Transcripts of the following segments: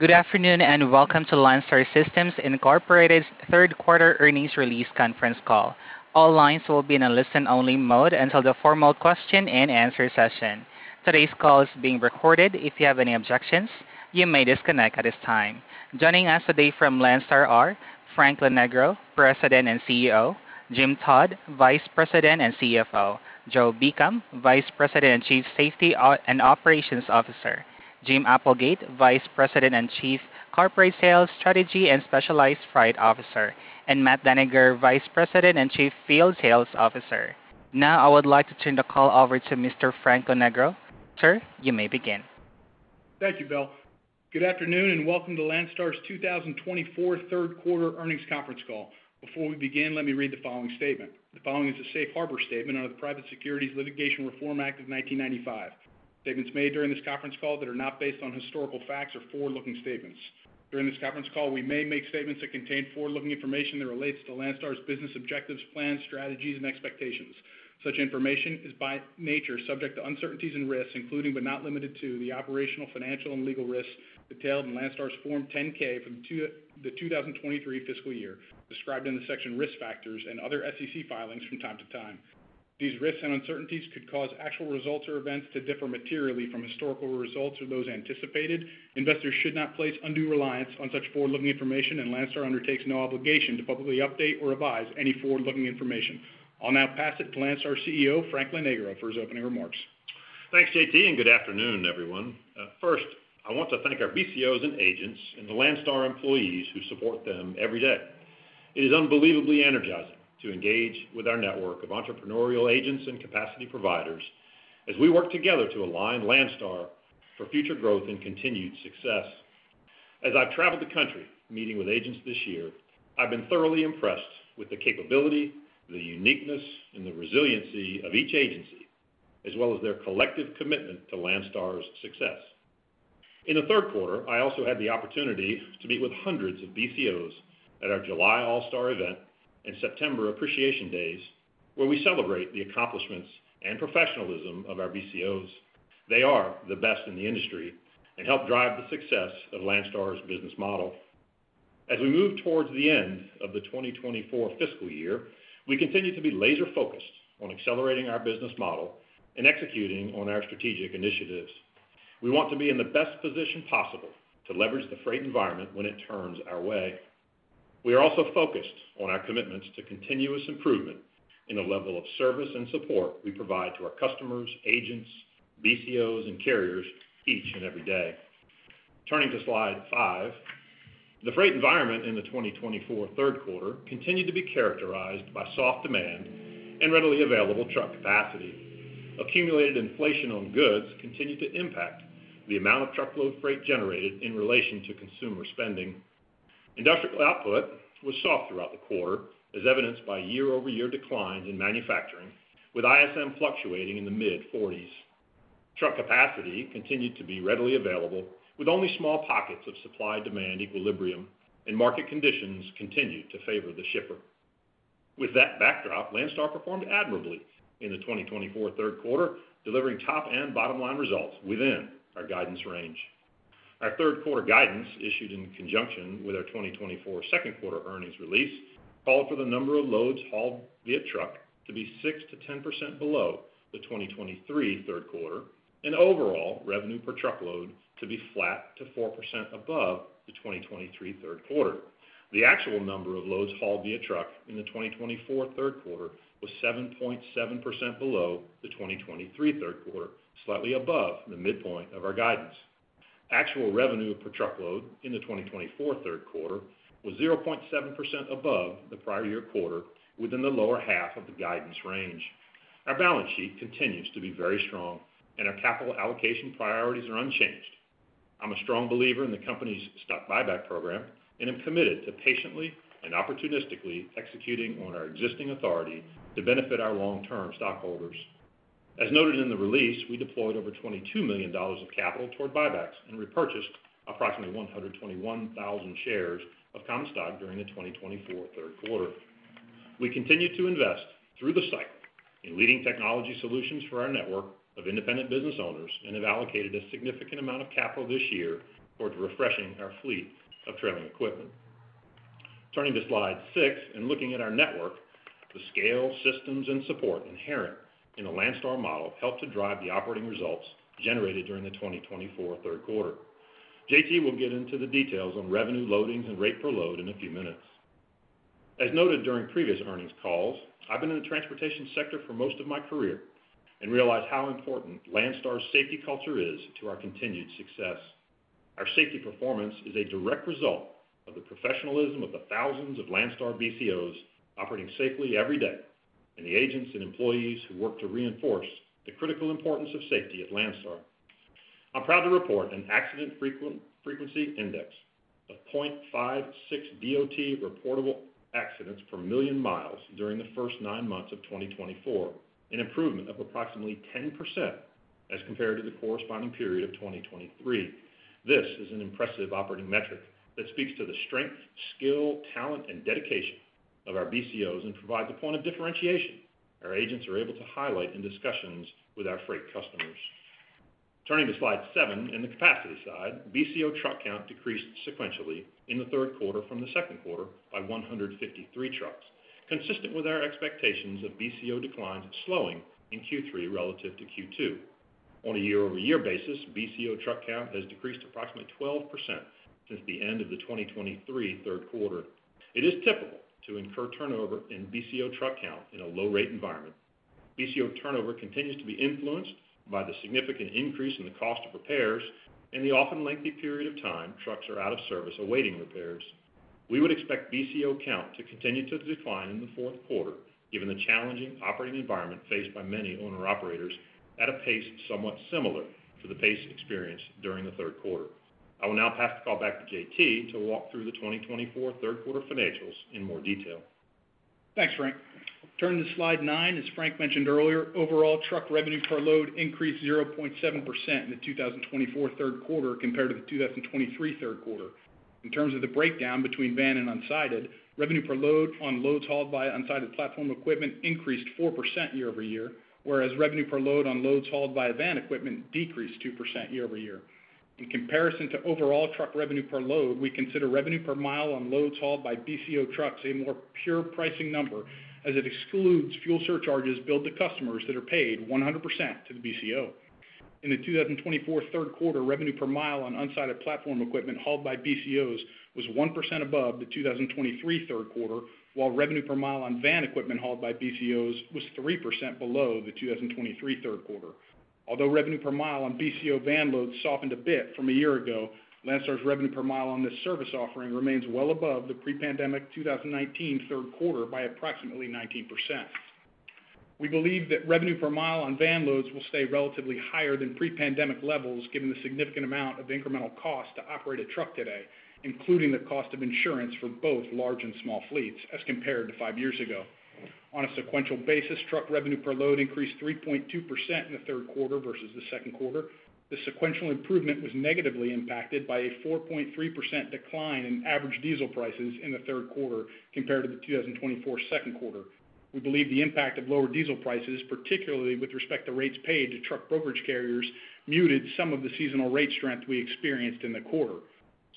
Good afternoon and welcome to Landstar System, Inc.'s Third Quarter Earnings Release Conference Call. All lines will be in a listen-only mode until the formal question and answer session. Today's call is being recorded. If you have any objections, you may disconnect at this time. Joining us today from Landstar are Frank Lonegro, President and CEO, Jim Todd, Vice President and CFO, Joe Beacom, Vice President and Chief Safety and Operations Officer, Jim Applegate, Vice President and Chief Corporate Sales, Strategy, and Specialized Freight Officer, and Matt Dannegger, Vice President and Chief Field Sales Officer. Now, I would like to turn the call over to Mr. Frank Lonegro. Sir, you may begin. Thank you, Bill. Good afternoon and welcome to Landstar's 2024 Third Quarter Earnings Conference Call. Before we begin, let me read the following statement. The following is a safe harbor statement under the Private Securities Litigation Reform Act of 1995. Statements made during this conference call that are not based on historical facts, or forward-looking statements. During this conference call, we may make statements that contain forward-looking information that relates to Landstar's business objectives, plans, strategies, and expectations. Such information is by nature subject to uncertainties and risks, including but not limited to the operational, financial, and legal risks detailed in Landstar's Form 10-K for the 2023 fiscal year, described in the section Risk Factors and other SEC filings from time to time. These risks and uncertainties could cause actual results or events to differ materially from historical results or those anticipated. Investors should not place undue reliance on such forward-looking information, and Landstar undertakes no obligation to publicly update or revise any forward-looking information. I'll now pass it to Landstar CEO Frank Lonegro for his opening remarks. Thanks, Joe, and good afternoon, everyone. First, I want to thank our BCOs and agents and the Landstar employees who support them every day. It is unbelievably energizing to engage with our network of entrepreneurial agents and capacity providers as we work together to align Landstar for future growth and continued success. As I've traveled the country meeting with agents this year, I've been thoroughly impressed with the capability, the uniqueness, and the resiliency of each agency, as well as their collective commitment to Landstar's success. In the third quarter, I also had the opportunity to meet with hundreds of BCOs at our July All-Star event and September Appreciation Days, where we celebrate the accomplishments and professionalism of our BCOs. They are the best in the industry and help drive the success of Landstar's business model. As we move towards the end of the 2024 fiscal year, we continue to be laser-focused on accelerating our business model and executing on our strategic initiatives. We want to be in the best position possible to leverage the freight environment when it turns our way. We are also focused on our commitments to continuous improvement in the level of service and support we provide to our customers, agents, BCOs, and carriers each and every day. Turning to slide five, the freight environment in the 2024 third quarter continued to be characterized by soft demand and readily available truck capacity. Accumulated inflation on goods continued to impact the amount of truckload freight generated in relation to consumer spending. Industrial output was soft throughout the quarter, as evidenced by year-over-year declines in manufacturing, with ISM fluctuating in the mid-40s. Truck capacity continued to be readily available, with only small pockets of supply-demand equilibrium, and market conditions continued to favor the shipper. With that backdrop, Landstar performed admirably in the 2024 third quarter, delivering top and bottom-line results within our guidance range. Our third quarter guidance, issued in conjunction with our 2024 second quarter earnings release, called for the number of loads hauled via truck to be 6% to 10% below the 2023 third quarter, and overall revenue per truckload to be flat to 4% above the 2023 third quarter. The actual number of loads hauled via truck in the 2024 third quarter was 7.7% below the 2023 third quarter, slightly above the midpoint of our guidance. Actual revenue per truckload in the 2024 third quarter was 0.7% above the prior year quarter, within the lower half of the guidance range. Our balance sheet continues to be very strong, and our capital allocation priorities are unchanged. I'm a strong believer in the company's stock buyback program and am committed to patiently and opportunistically executing on our existing authority to benefit our long-term stockholders. As noted in the release, we deployed over $22 million of capital toward buybacks and repurchased approximately 121,000 shares of common stock during the 2024 third quarter. We continue to invest through the cycle in leading technology solutions for our network of independent business owners and have allocated a significant amount of capital this year towards refreshing our fleet of trailing equipment. Turning to slide six and looking at our network, the scale, systems, and support inherent in the Landstar model helped to drive the operating results generated during the 2024 third quarter. Joe, will get into the details on revenue loadings and rate per load in a few minutes. As noted during previous earnings calls, I've been in the transportation sector for most of my career and realize how important Landstar's safety culture is to our continued success. Our safety performance is a direct result of the professionalism of the thousands of Landstar BCOs operating safely every day and the agents and employees who work to reinforce the critical importance of safety at Landstar. I'm proud to report an accident frequency index of 0.56 DOT reportable accidents per million miles during the first nine months of 2024, an improvement of approximately 10% as compared to the corresponding period of 2023. This is an impressive operating metric that speaks to the strength, skill, talent, and dedication of our BCOs and provides a point of differentiation our agents are able to highlight in discussions with our freight customers. Turning to slide seven, in the capacity side, BCO truck count decreased sequentially in the third quarter from the second quarter by 153 trucks, consistent with our expectations of BCO declines slowing in Q3 relative to Q2. On a year-over-year basis, BCO truck count has decreased approximately 12% since the end of the 2023 third quarter. It is typical to incur turnover in BCO truck count in a low-rate environment. BCO turnover continues to be influenced by the significant increase in the cost of repairs and the often lengthy period of time trucks are out of service awaiting repairs. We would expect BCO count to continue to decline in the fourth quarter, given the challenging operating environment faced by many owner-operators at a pace somewhat similar to the pace experienced during the third quarter. I will now pass the call back to JT to walk through the 2024 third quarter financials in more detail. Thanks, Frank. Turning to slide nine, as Frank mentioned earlier, overall truck revenue per load increased 0.7% in the 2024 third quarter compared to the 2023 third quarter. In terms of the breakdown between van and unsided, revenue per load on loads hauled by unsided platform equipment increased 4% year-over-year, whereas revenue per load on loads hauled by van equipment decreased 2% year-over-year. In comparison to overall truck revenue per load, we consider revenue per mile on loads hauled by BCO trucks a more pure pricing number, as it excludes fuel surcharges billed to customers that are paid 100% to the BCO. In the 2024 third quarter, revenue per mile on unsided platform equipment hauled by BCOs was 1% above the 2023 third quarter, while revenue per mile on van equipment hauled by BCOs was 3% below the 2023 third quarter. Although revenue per mile on BCO van loads softened a bit from a year ago, Landstar's revenue per mile on this service offering remains well above the pre-pandemic 2019 third quarter by approximately 19%. We believe that revenue per mile on van loads will stay relatively higher than pre-pandemic levels, given the significant amount of incremental cost to operate a truck today, including the cost of insurance for both large and small fleets, as compared to five years ago. On a sequential basis, truck revenue per load increased 3.2% in the third quarter versus the second quarter. The sequential improvement was negatively impacted by a 4.3% decline in average diesel prices in the third quarter compared to the 2024 second quarter. We believe the impact of lower diesel prices, particularly with respect to rates paid to truck brokerage carriers, muted some of the seasonal rate strength we experienced in the quarter.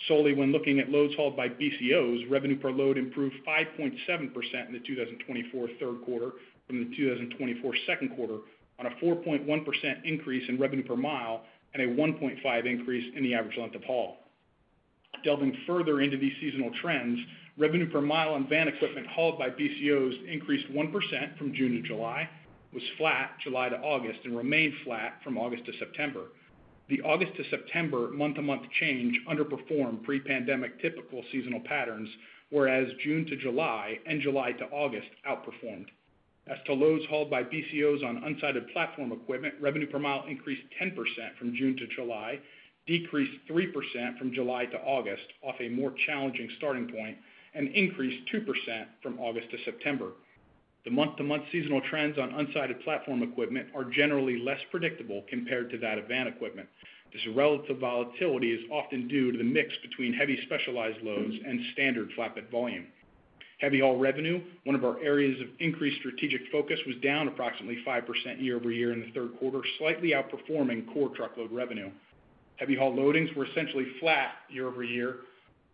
Solely when looking at loads hauled by BCOs, revenue per load improved 5.7% in the 2024 third quarter from the 2024 second quarter, on a 4.1% increase in revenue per mile and a 1.5% increase in the average length of haul. Delving further into these seasonal trends, revenue per mile on van equipment hauled by BCOs increased 1% from June to July, was flat July to August, and remained flat from August to September. The August to September month-to-month change underperformed pre-pandemic typical seasonal patterns, whereas June to July and July to August outperformed. As to loads hauled by BCOs on unsided platform equipment, revenue per mile increased 10% from June to July, decreased 3% from July to August off a more challenging starting point, and increased 2% from August to September. The month-to-month seasonal trends on unsided platform equipment are generally less predictable compared to that of van equipment. This relative volatility is often due to the mix between heavy specialized loads and standard flatbed volume. Heavy haul revenue, one of our areas of increased strategic focus, was down approximately 5% year-over-year in the third quarter, slightly outperforming core truckload revenue. Heavy haul loadings were essentially flat year-over-year,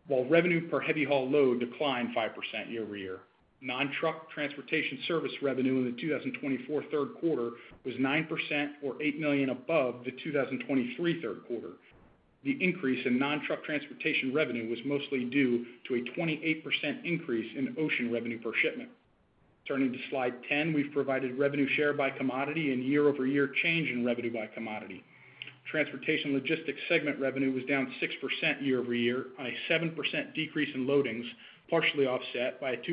while revenue per heavy haul load declined 5% year-over-year. Non-truck transportation service revenue in the 2024 third quarter was 9% or $8 million above the 2023 third quarter. The increase in non-truck transportation revenue was mostly due to a 28% increase in ocean revenue per shipment. Turning to slide 10, we've provided revenue share by commodity and year-over-year change in revenue by commodity. Transportation logistics segment revenue was down 6% year-over-year, on a 7% decrease in loadings, partially offset by a 2%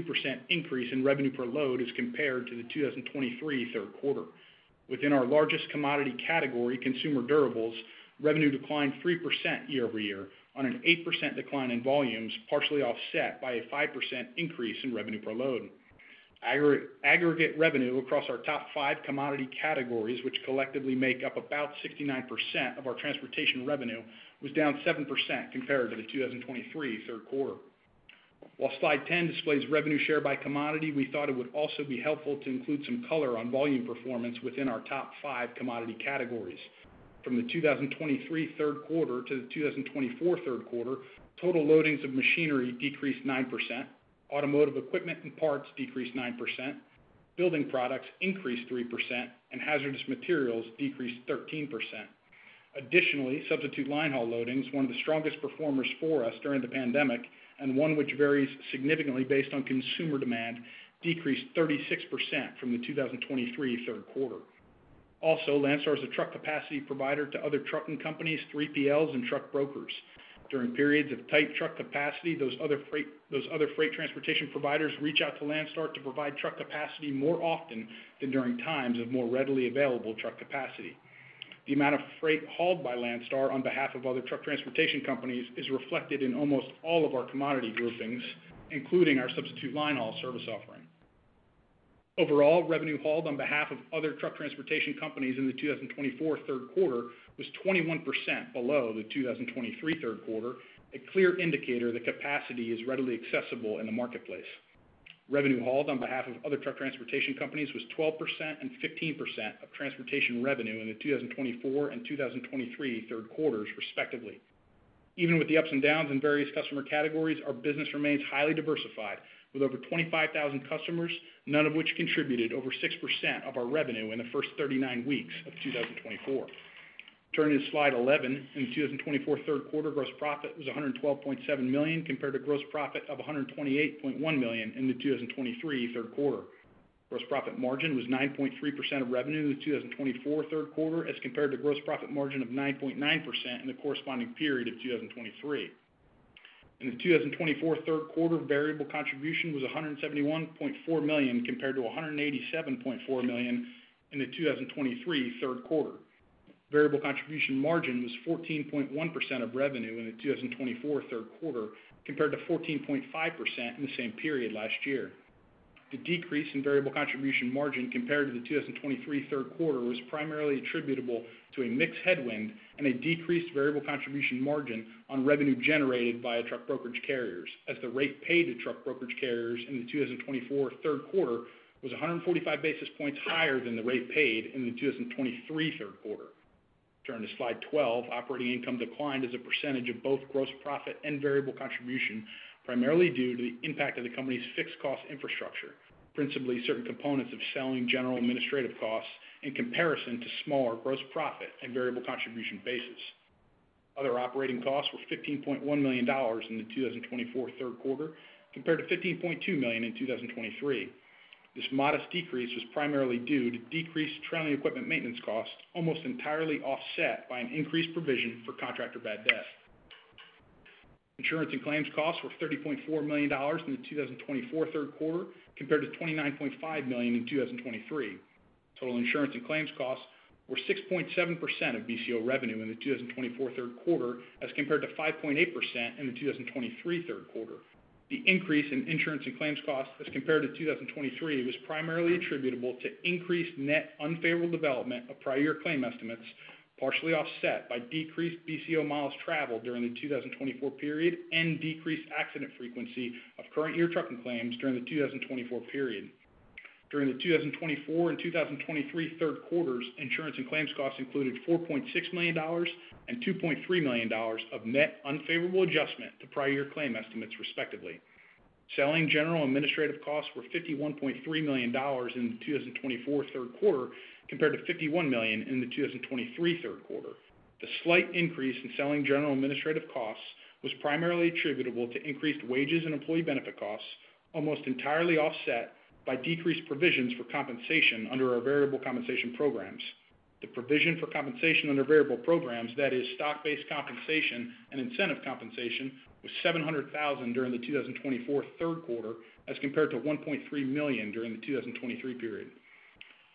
increase in revenue per load as compared to the 2023 third quarter. Within our largest commodity category, consumer durables, revenue declined 3% year-over-year, on an 8% decline in volumes, partially offset by a 5% increase in revenue per load. Aggregate revenue across our top five commodity categories, which collectively make up about 69% of our transportation revenue, was down 7% compared to the 2023 third quarter. While slide ten displays revenue share by commodity, we thought it would also be helpful to include some color on volume performance within our top five commodity categories. From the 2023 third quarter to the 2024 third quarter, total loadings of machinery decreased 9%, automotive equipment and parts decreased 9%, building products increased 3%, and hazardous materials decreased 13%. Additionally, substitute linehaul loadings, one of the strongest performers for us during the pandemic and one which varies significantly based on consumer demand, decreased 36% from the 2023 third quarter. Also, Landstar is a truck capacity provider to other trucking companies, 3PLs, and truck brokers. During periods of tight truck capacity, those other freight transportation providers reach out to Landstar to provide truck capacity more often than during times of more readily available truck capacity. The amount of freight hauled by Landstar on behalf of other truck transportation companies is reflected in almost all of our commodity groupings, including our substitute linehaul service offering. Overall, revenue hauled on behalf of other truck transportation companies in the 2024 third quarter was 21% below the 2023 third quarter, a clear indicator that capacity is readily accessible in the marketplace. Revenue hauled on behalf of other truck transportation companies was 12% and 15% of transportation revenue in the 2024 and 2023 third quarters, respectively. Even with the ups and downs in various customer categories, our business remains highly diversified, with over 25,000 customers, none of which contributed over 6% of our revenue in the first 39 weeks of 2024. Turning to slide 11, in the 2024 third quarter, gross profit was $112.7 million compared to gross profit of $128.1 million in the 2023 third quarter. Gross profit margin was 9.3% of revenue in the 2024 third quarter, as compared to gross profit margin of 9.9% in the corresponding period of 2023. In the 2024 third quarter, variable contribution was $171.4 million compared to $187.4 million in the 2023 third quarter. Variable contribution margin was 14.1% of revenue in the 2024 third quarter, compared to 14.5% in the same period last year. The decrease in variable contribution margin compared to the 2023 third quarter was primarily attributable to a mix headwind and a decreased variable contribution margin on revenue generated by truck brokerage carriers, as the rate paid to truck brokerage carriers in the 2024 third quarter was 145 basis points higher than the rate paid in the 2023 third quarter. Turning to slide twelve, operating income declined as a percentage of both gross profit and variable contribution, primarily due to the impact of the company's fixed cost infrastructure, principally certain components of selling general administrative costs, in comparison to smaller gross profit and variable contribution basis. Other operating costs were $15.1 million in the 2024 third quarter, compared to $15.2 million in 2023. This modest decrease was primarily due to decreased trailer equipment maintenance costs, almost entirely offset by an increased provision for contractor bad debt. Insurance and claims costs were $30.4 million in the 2024 third quarter, compared to $29.5 million in 2023. Total insurance and claims costs were 6.7% of BCO revenue in the 2024 third quarter, as compared to 5.8% in the 2023 third quarter. The increase in insurance and claims costs, as compared to 2023, was primarily attributable to increased net unfavorable development of prior year claim estimates, partially offset by decreased BCO miles traveled during the 2024 period and decreased accident frequency of current year trucking claims during the 2024 period. During the 2024 and 2023 third quarters, insurance and claims costs included $4.6 million and $2.3 million of net unfavorable adjustment to prior year claim estimates, respectively. Selling, general, and administrative costs were $51.3 million in the 2024 third quarter, compared to $51 million in the 2023 third quarter. The slight increase in selling, general, and administrative costs was primarily attributable to increased wages and employee benefit costs, almost entirely offset by decreased provisions for compensation under our variable compensation programs. The provision for compensation under variable programs, that is, stock-based compensation and incentive compensation, was $700,000 during the 2024 third quarter, as compared to $1.3 million during the 2023 period.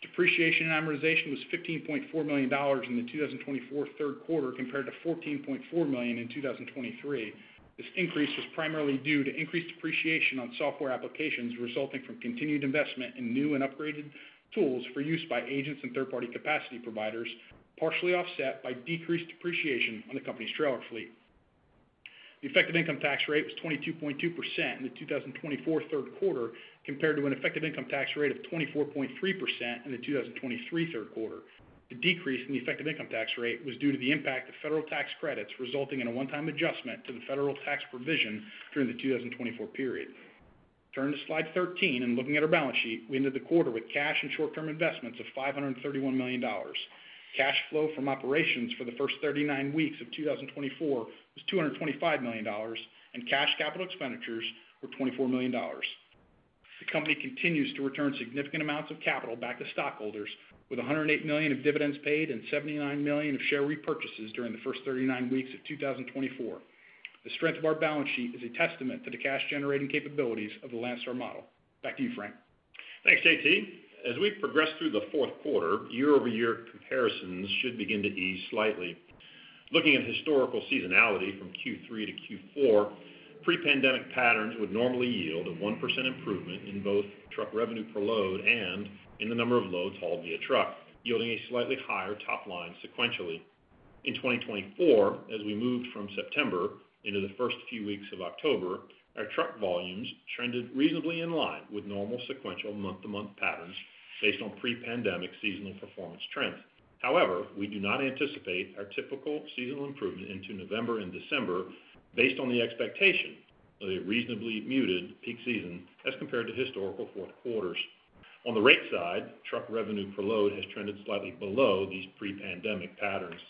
Depreciation and amortization was $15.4 million in the 2024 third quarter, compared to $14.4 million in 2023. This increase was primarily due to increased depreciation on software applications resulting from continued investment in new and upgraded tools for use by agents and third-party capacity providers, partially offset by decreased depreciation on the company's trailer fleet. The effective income tax rate was 22.2% in the 2024 third quarter, compared to an effective income tax rate of 24.3% in the 2023 third quarter. The decrease in the effective income tax rate was due to the impact of federal tax credits resulting in a one-time adjustment to the federal tax provision during the 2024 period. Turning to slide thirteen and looking at our balance sheet, we ended the quarter with cash and short-term investments of $531 million. Cash flow from operations for the first 39 weeks of 2024 was $225 million, and cash capital expenditures were $24 million. The company continues to return significant amounts of capital back to stockholders, with $108 million of dividends paid and $79 million of share repurchases during the first 39 weeks of 2024. The strength of our balance sheet is a testament to the cash-generating capabilities of the Landstar model. Back to you, Frank. Thanks, JT. As we progress through the fourth quarter, year-over-year comparisons should begin to ease slightly. Looking at historical seasonality from Q3 to Q4, pre-pandemic patterns would normally yield a 1% improvement in both truck revenue per load and in the number of loads hauled via truck, yielding a slightly higher top line sequentially. In 2024, as we moved from September into the first few weeks of October, our truck volumes trended reasonably in line with normal sequential month-to-month patterns based on pre-pandemic seasonal performance trends. However, we do not anticipate our typical seasonal improvement into November and December based on the expectation of a reasonably muted peak season as compared to historical fourth quarters. On the rate side, truck revenue per load has trended slightly below these pre-pandemic patterns.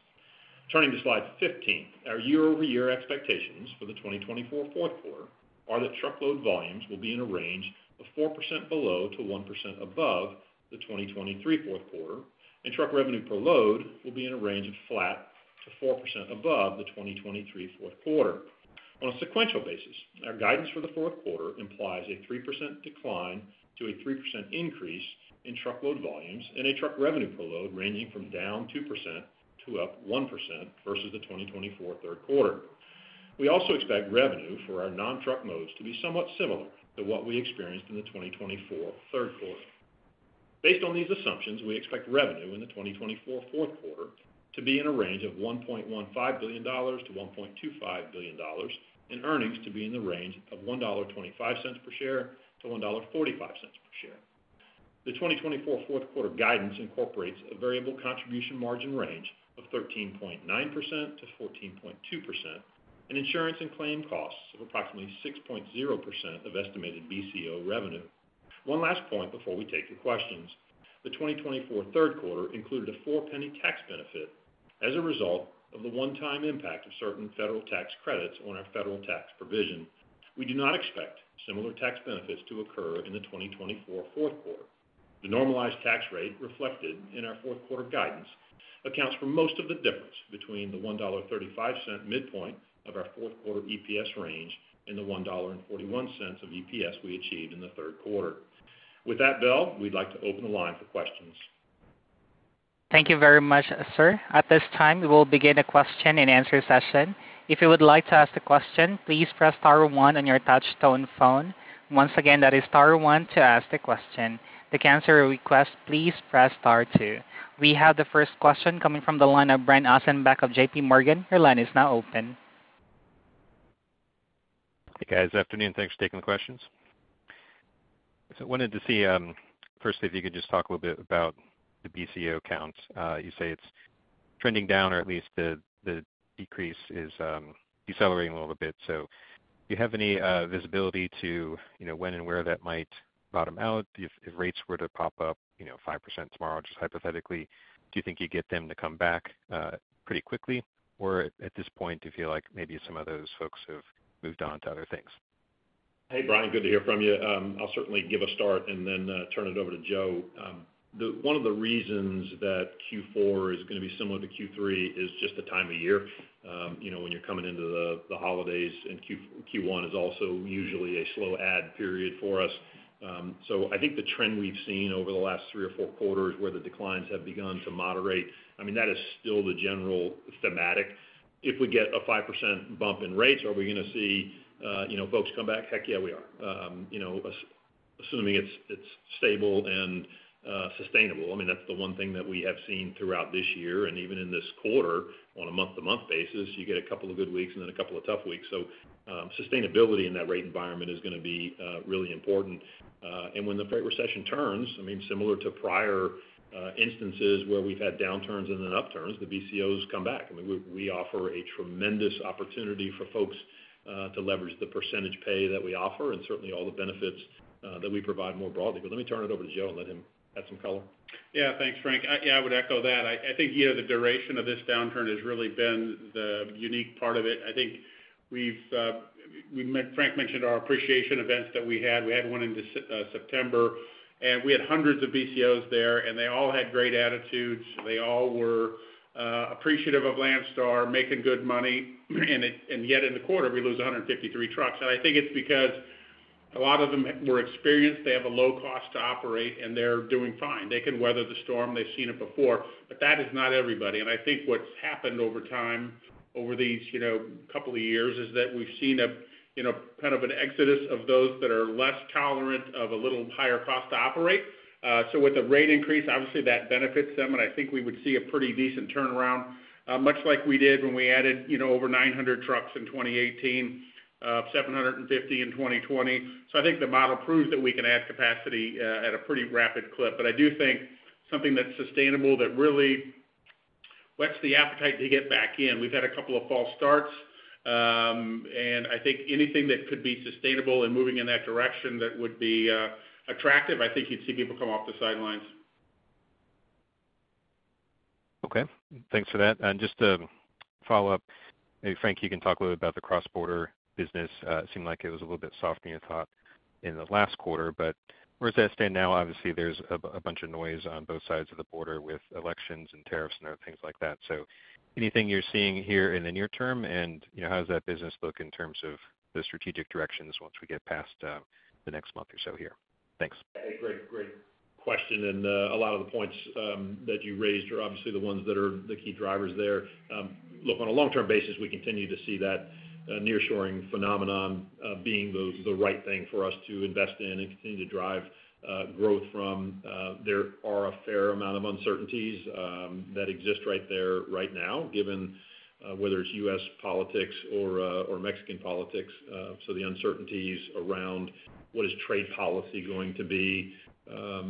Turning to slide fifteen, our year-over-year expectations for the 2024 fourth quarter are that truckload volumes will be in a range of 4% below to 1% above the 2023 fourth quarter, and truck revenue per load will be in a range of flat to 4% above the 2023 fourth quarter. On a sequential basis, our guidance for the fourth quarter implies a 3% decline to a 3% increase in truckload volumes and a truck revenue per load ranging from down 2% to up 1% versus the 2024 third quarter. We also expect revenue for our non-truck modes to be somewhat similar to what we experienced in the 2024 third quarter. Based on these assumptions, we expect revenue in the 2024 fourth quarter to be in a range of $1.15 billion-$1.25 billion, and earnings to be in the range of $1.25-$1.45 per share. The 2024 fourth quarter guidance incorporates a variable contribution margin range of 13.9% to 14.2%, and insurance and claim costs of approximately 6.0% of estimated BCO revenue. One last point before we take your questions. The 2024 third quarter included a four-penny tax benefit as a result of the one-time impact of certain federal tax credits on our federal tax provision. We do not expect similar tax benefits to occur in the 2024 fourth quarter. The normalized tax rate reflected in our fourth quarter guidance accounts for most of the difference between the $1.35 midpoint of our fourth quarter EPS range and the $1.41 of EPS we achieved in the third quarter. With that, Bill, we'd like to open the line for questions. Thank you very much, sir. At this time, we will begin a question and answer session. If you would like to ask a question, please press star one on your touch-tone phone. Once again, that is star one to ask the question. To cancel your request, please press star two. We have the first question coming from the line of Brian Ossenbeck of J.P. Morgan. Your line is now open. Hey, guys. Afternoon. Thanks for taking the questions. So I wanted to see, first, if you could just talk a little bit about the BCO counts. You say it's trending down, or at least the decrease is decelerating a little bit. So do you have any visibility to when and where that might bottom out? If rates were to pop up 5% tomorrow, just hypothetically, do you think you'd get them to come back pretty quickly, or at this point, do you feel like maybe some of those folks have moved on to other things? Hey, Brian. Good to hear from you. I'll certainly give a start and then turn it over to Joe. One of the reasons that Q4 is going to be similar to Q3 is just the time of year. When you're coming into the holidays, and Q1 is also usually a slow add period for us. So I think the trend we've seen over the last three or four quarters where the declines have begun to moderate, I mean, that is still the general thematic. If we get a 5% bump in rates, are we going to see folks come back? Heck, yeah, we are, assuming it's stable and sustainable. I mean, that's the one thing that we have seen throughout this year, and even in this quarter, on a month-to-month basis, you get a couple of good weeks and then a couple of tough weeks. Sustainability in that rate environment is going to be really important. When the rate recession turns, I mean, similar to prior instances where we've had downturns and then upturns, the BCOs come back. I mean, we offer a tremendous opportunity for folks to leverage the percentage pay that we offer and certainly all the benefits that we provide more broadly. Let me turn it over to Joe and let him add some color. Yeah, thanks, Frank. Yeah, I would echo that. I think the duration of this downturn has really been the unique part of it. I think Frank mentioned our appreciation events that we had. We had one in September, and we had hundreds of BCOs there, and they all had great attitudes. They all were appreciative of Landstar, making good money. And yet in the quarter, we lose 153 trucks. And I think it's because a lot of them were experienced. They have a low cost to operate, and they're doing fine. They can weather the storm. They've seen it before. But that is not everybody. And I think what's happened over time, over these couple of years, is that we've seen kind of an exodus of those that are less tolerant of a little higher cost to operate. So with the rate increase, obviously, that benefits them, and I think we would see a pretty decent turnaround, much like we did when we added over 900 trucks in 2018, 750 in 2020. So I think the model proves that we can add capacity at a pretty rapid clip. But I do think something that's sustainable that really whets the appetite to get back in. We've had a couple of false starts, and I think anything that could be sustainable and moving in that direction that would be attractive. I think you'd see people come off the sidelines. Okay. Thanks for that. And just to follow up, maybe Frank, you can talk a little bit about the cross-border business. It seemed like it was a little bit softer than you thought in the last quarter. But where does that stand now? Obviously, there's a bunch of noise on both sides of the border with elections and tariffs and other things like that. So anything you're seeing here in the near term, and how does that business look in terms of the strategic directions once we get past the next month or so here? Thanks. Hey, great, great question. And a lot of the points that you raised are obviously the ones that are the key drivers there. Look, on a long-term basis, we continue to see that nearshoring phenomenon being the right thing for us to invest in and continue to drive growth from. There are a fair amount of uncertainties that exist right there right now, given whether it's U.S. politics or Mexican politics. So the uncertainties around what is trade policy going to be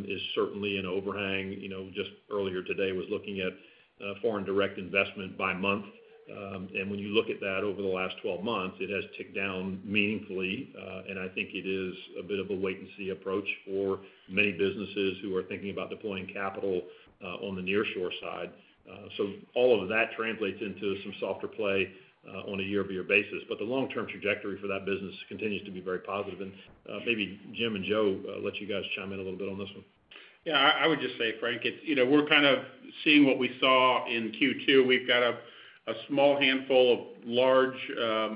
is certainly in overhang. Just earlier today, I was looking at foreign direct investment by month. And when you look at that over the last 12 months, it has ticked down meaningfully. And I think it is a bit of a wait-and-see approach for many businesses who are thinking about deploying capital on the nearshore side. All of that translates into some softer play on a year-over-year basis. But the long-term trajectory for that business continues to be very positive. Maybe Jim and Joe let you guys chime in a little bit on this one. Yeah, I would just say, Frank, we're kind of seeing what we saw in Q2. We've got a small handful of large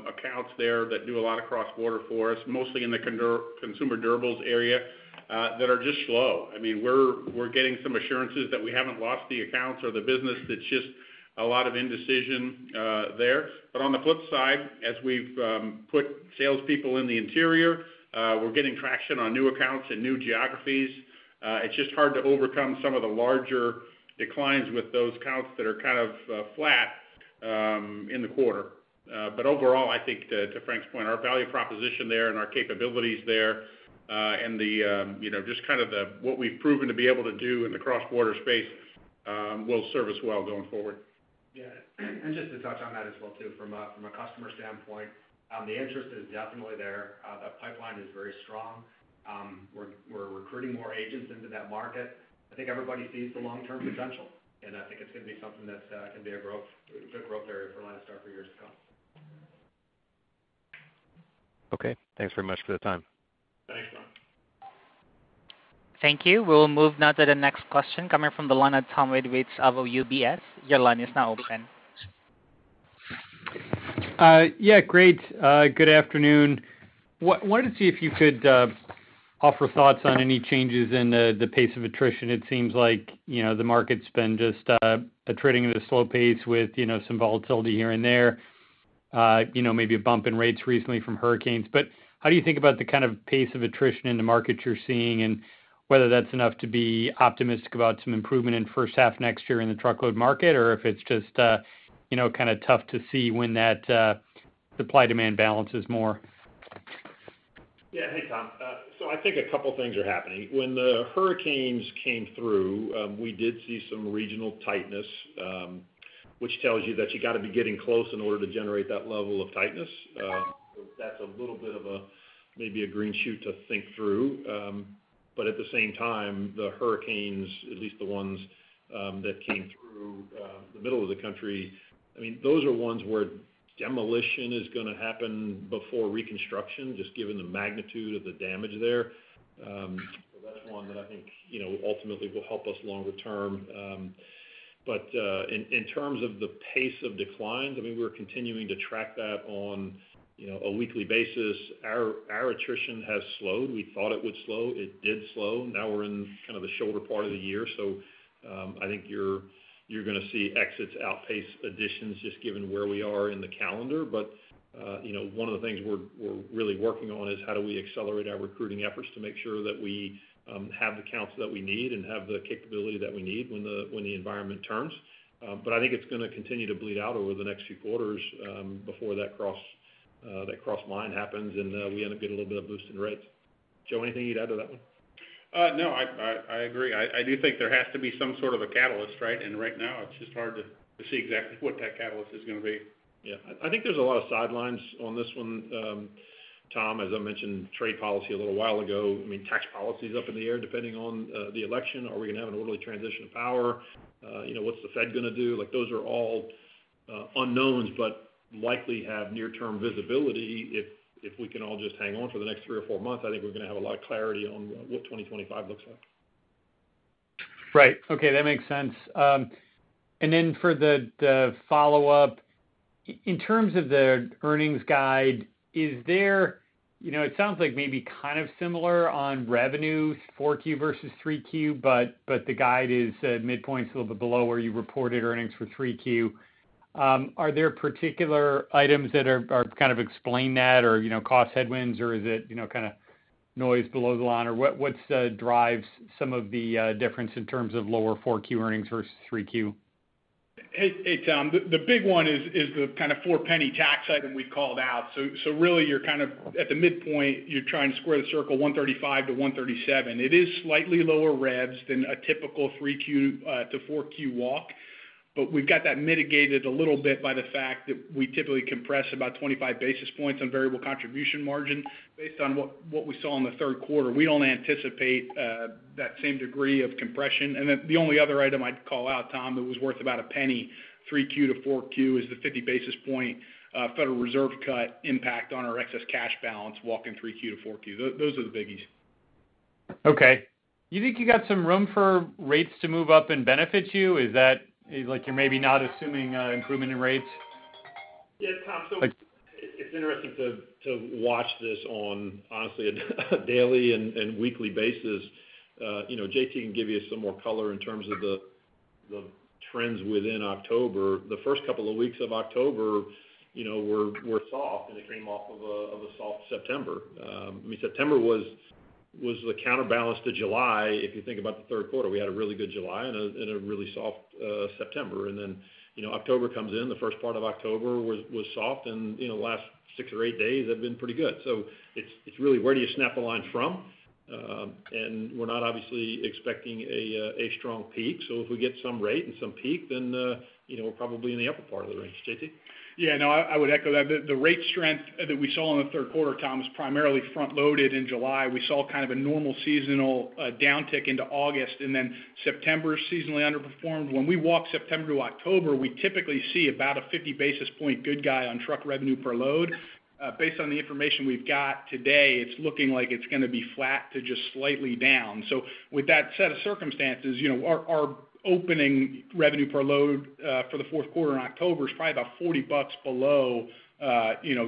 accounts there that do a lot of cross-border for us, mostly in the consumer durables area that are just slow. I mean, we're getting some assurances that we haven't lost the accounts or the business. It's just a lot of indecision there. But on the flip side, as we've put salespeople in the interior, we're getting traction on new accounts and new geographies. It's just hard to overcome some of the larger declines with those accounts that are kind of flat in the quarter. But overall, I think, to Frank's point, our value proposition there and our capabilities there and just kind of what we've proven to be able to do in the cross-border space will serve us well going forward. Yeah. And just to touch on that as well, too, from a customer standpoint, the interest is definitely there. That pipeline is very strong. We're recruiting more agents into that market. I think everybody sees the long-term potential, and I think it's going to be something that can be a good growth area for Landstar for years to come. Okay. Thanks very much for the time. Thanks, Brian. Thank you. We will move now to the next question coming from the line of Thomas Reed with UBS. Your line is now open. Yeah, great. Good afternoon. Wanted to see if you could offer thoughts on any changes in the pace of attrition. It seems like the market's been just trading at a slow pace with some volatility here and there, maybe a bump in rates recently from hurricanes. But how do you think about the kind of pace of attrition in the market you're seeing and whether that's enough to be optimistic about some improvement in the first half next year in the truckload market, or if it's just kind of tough to see when that supply-demand balances more? Yeah. Hey, Tom. So I think a couple of things are happening. When the hurricanes came through, we did see some regional tightness, which tells you that you got to be getting close in order to generate that level of tightness. So that's a little bit of maybe a green shoot to think through. But at the same time, the hurricanes, at least the ones that came through the middle of the country, I mean, those are ones where demolition is going to happen before reconstruction, just given the magnitude of the damage there. So that's one that I think ultimately will help us longer term. But in terms of the pace of declines, I mean, we're continuing to track that on a weekly basis. Our attrition has slowed. We thought it would slow. It did slow. Now we're in kind of the shoulder part of the year. So I think you're going to see exits outpace additions, just given where we are in the calendar. But one of the things we're really working on is how do we accelerate our recruiting efforts to make sure that we have the counts that we need and have the capability that we need when the environment turns. But I think it's going to continue to bleed out over the next few quarters before that cross-line happens and we end up getting a little bit of a boost in rates. Joe, anything you'd add to that one? No, I agree. I do think there has to be some sort of a catalyst, right? And right now, it's just hard to see exactly what that catalyst is going to be. Yeah. I think there's a lot of sidelines on this one. Tom, as I mentioned, trade policy a little while ago. I mean, tax policy is up in the air depending on the election. Are we going to have an orderly transition of power? What's the Fed going to do? Those are all unknowns, but likely have near-term visibility. If we can all just hang on for the next three or four months, I think we're going to have a lot of clarity on what 2025 looks like. Right. Okay. That makes sense. And then for the follow-up, in terms of the earnings guide, is there? It sounds like maybe kind of similar on revenue, 4Q versus 3Q, but the guide is midpoint's a little bit below where you reported earnings for 3Q. Are there particular items that kind of explain that or cost headwinds, or is it kind of noise below the line? Or what drives some of the difference in terms of lower 4Q earnings versus 3Q? Hey, Tom, the big one is the kind of four-penny tax item we called out. So really, you're kind of at the midpoint. You're trying to square the circle 135 to 137. It is slightly lower revs than a typical 3Q to 4Q walk, but we've got that mitigated a little bit by the fact that we typically compress about 25 basis points on variable contribution margin. Based on what we saw in the third quarter, we don't anticipate that same degree of compression. And then the only other item I'd call out, Tom, that was worth about a penny 3Q to 4Q is the 50 basis point Federal Reserve cut impact on our excess cash balance walking 3Q to 4Q. Those are the biggies. Okay. You think you got some room for rates to move up and benefit you? Is that like you're maybe not assuming improvement in rates? Yeah, Tom. So it's interesting to watch this on, honestly, a daily and weekly basis. JT can give you some more color in terms of the trends within October. The first couple of weeks of October were soft, and it came off of a soft September. I mean, September was the counterbalance to July. If you think about the third quarter, we had a really good July and a really soft September, and then October comes in. The first part of October was soft, and the last six or eight days have been pretty good. So it's really, where do you snap the line from, and we're not obviously expecting a strong peak. So if we get some rate and some peak, then we're probably in the upper part of the range, JT. Yeah. No, I would echo that. The rate strength that we saw in the third quarter, Tom, was primarily front-loaded in July. We saw kind of a normal seasonal downtick into August, and then September seasonally underperformed. When we walk September to October, we typically see about a 50 basis point uptick on truck revenue per load. Based on the information we've got today, it's looking like it's going to be flat to just slightly down. So with that set of circumstances, our opening revenue per load for the fourth quarter in October is probably about $40 below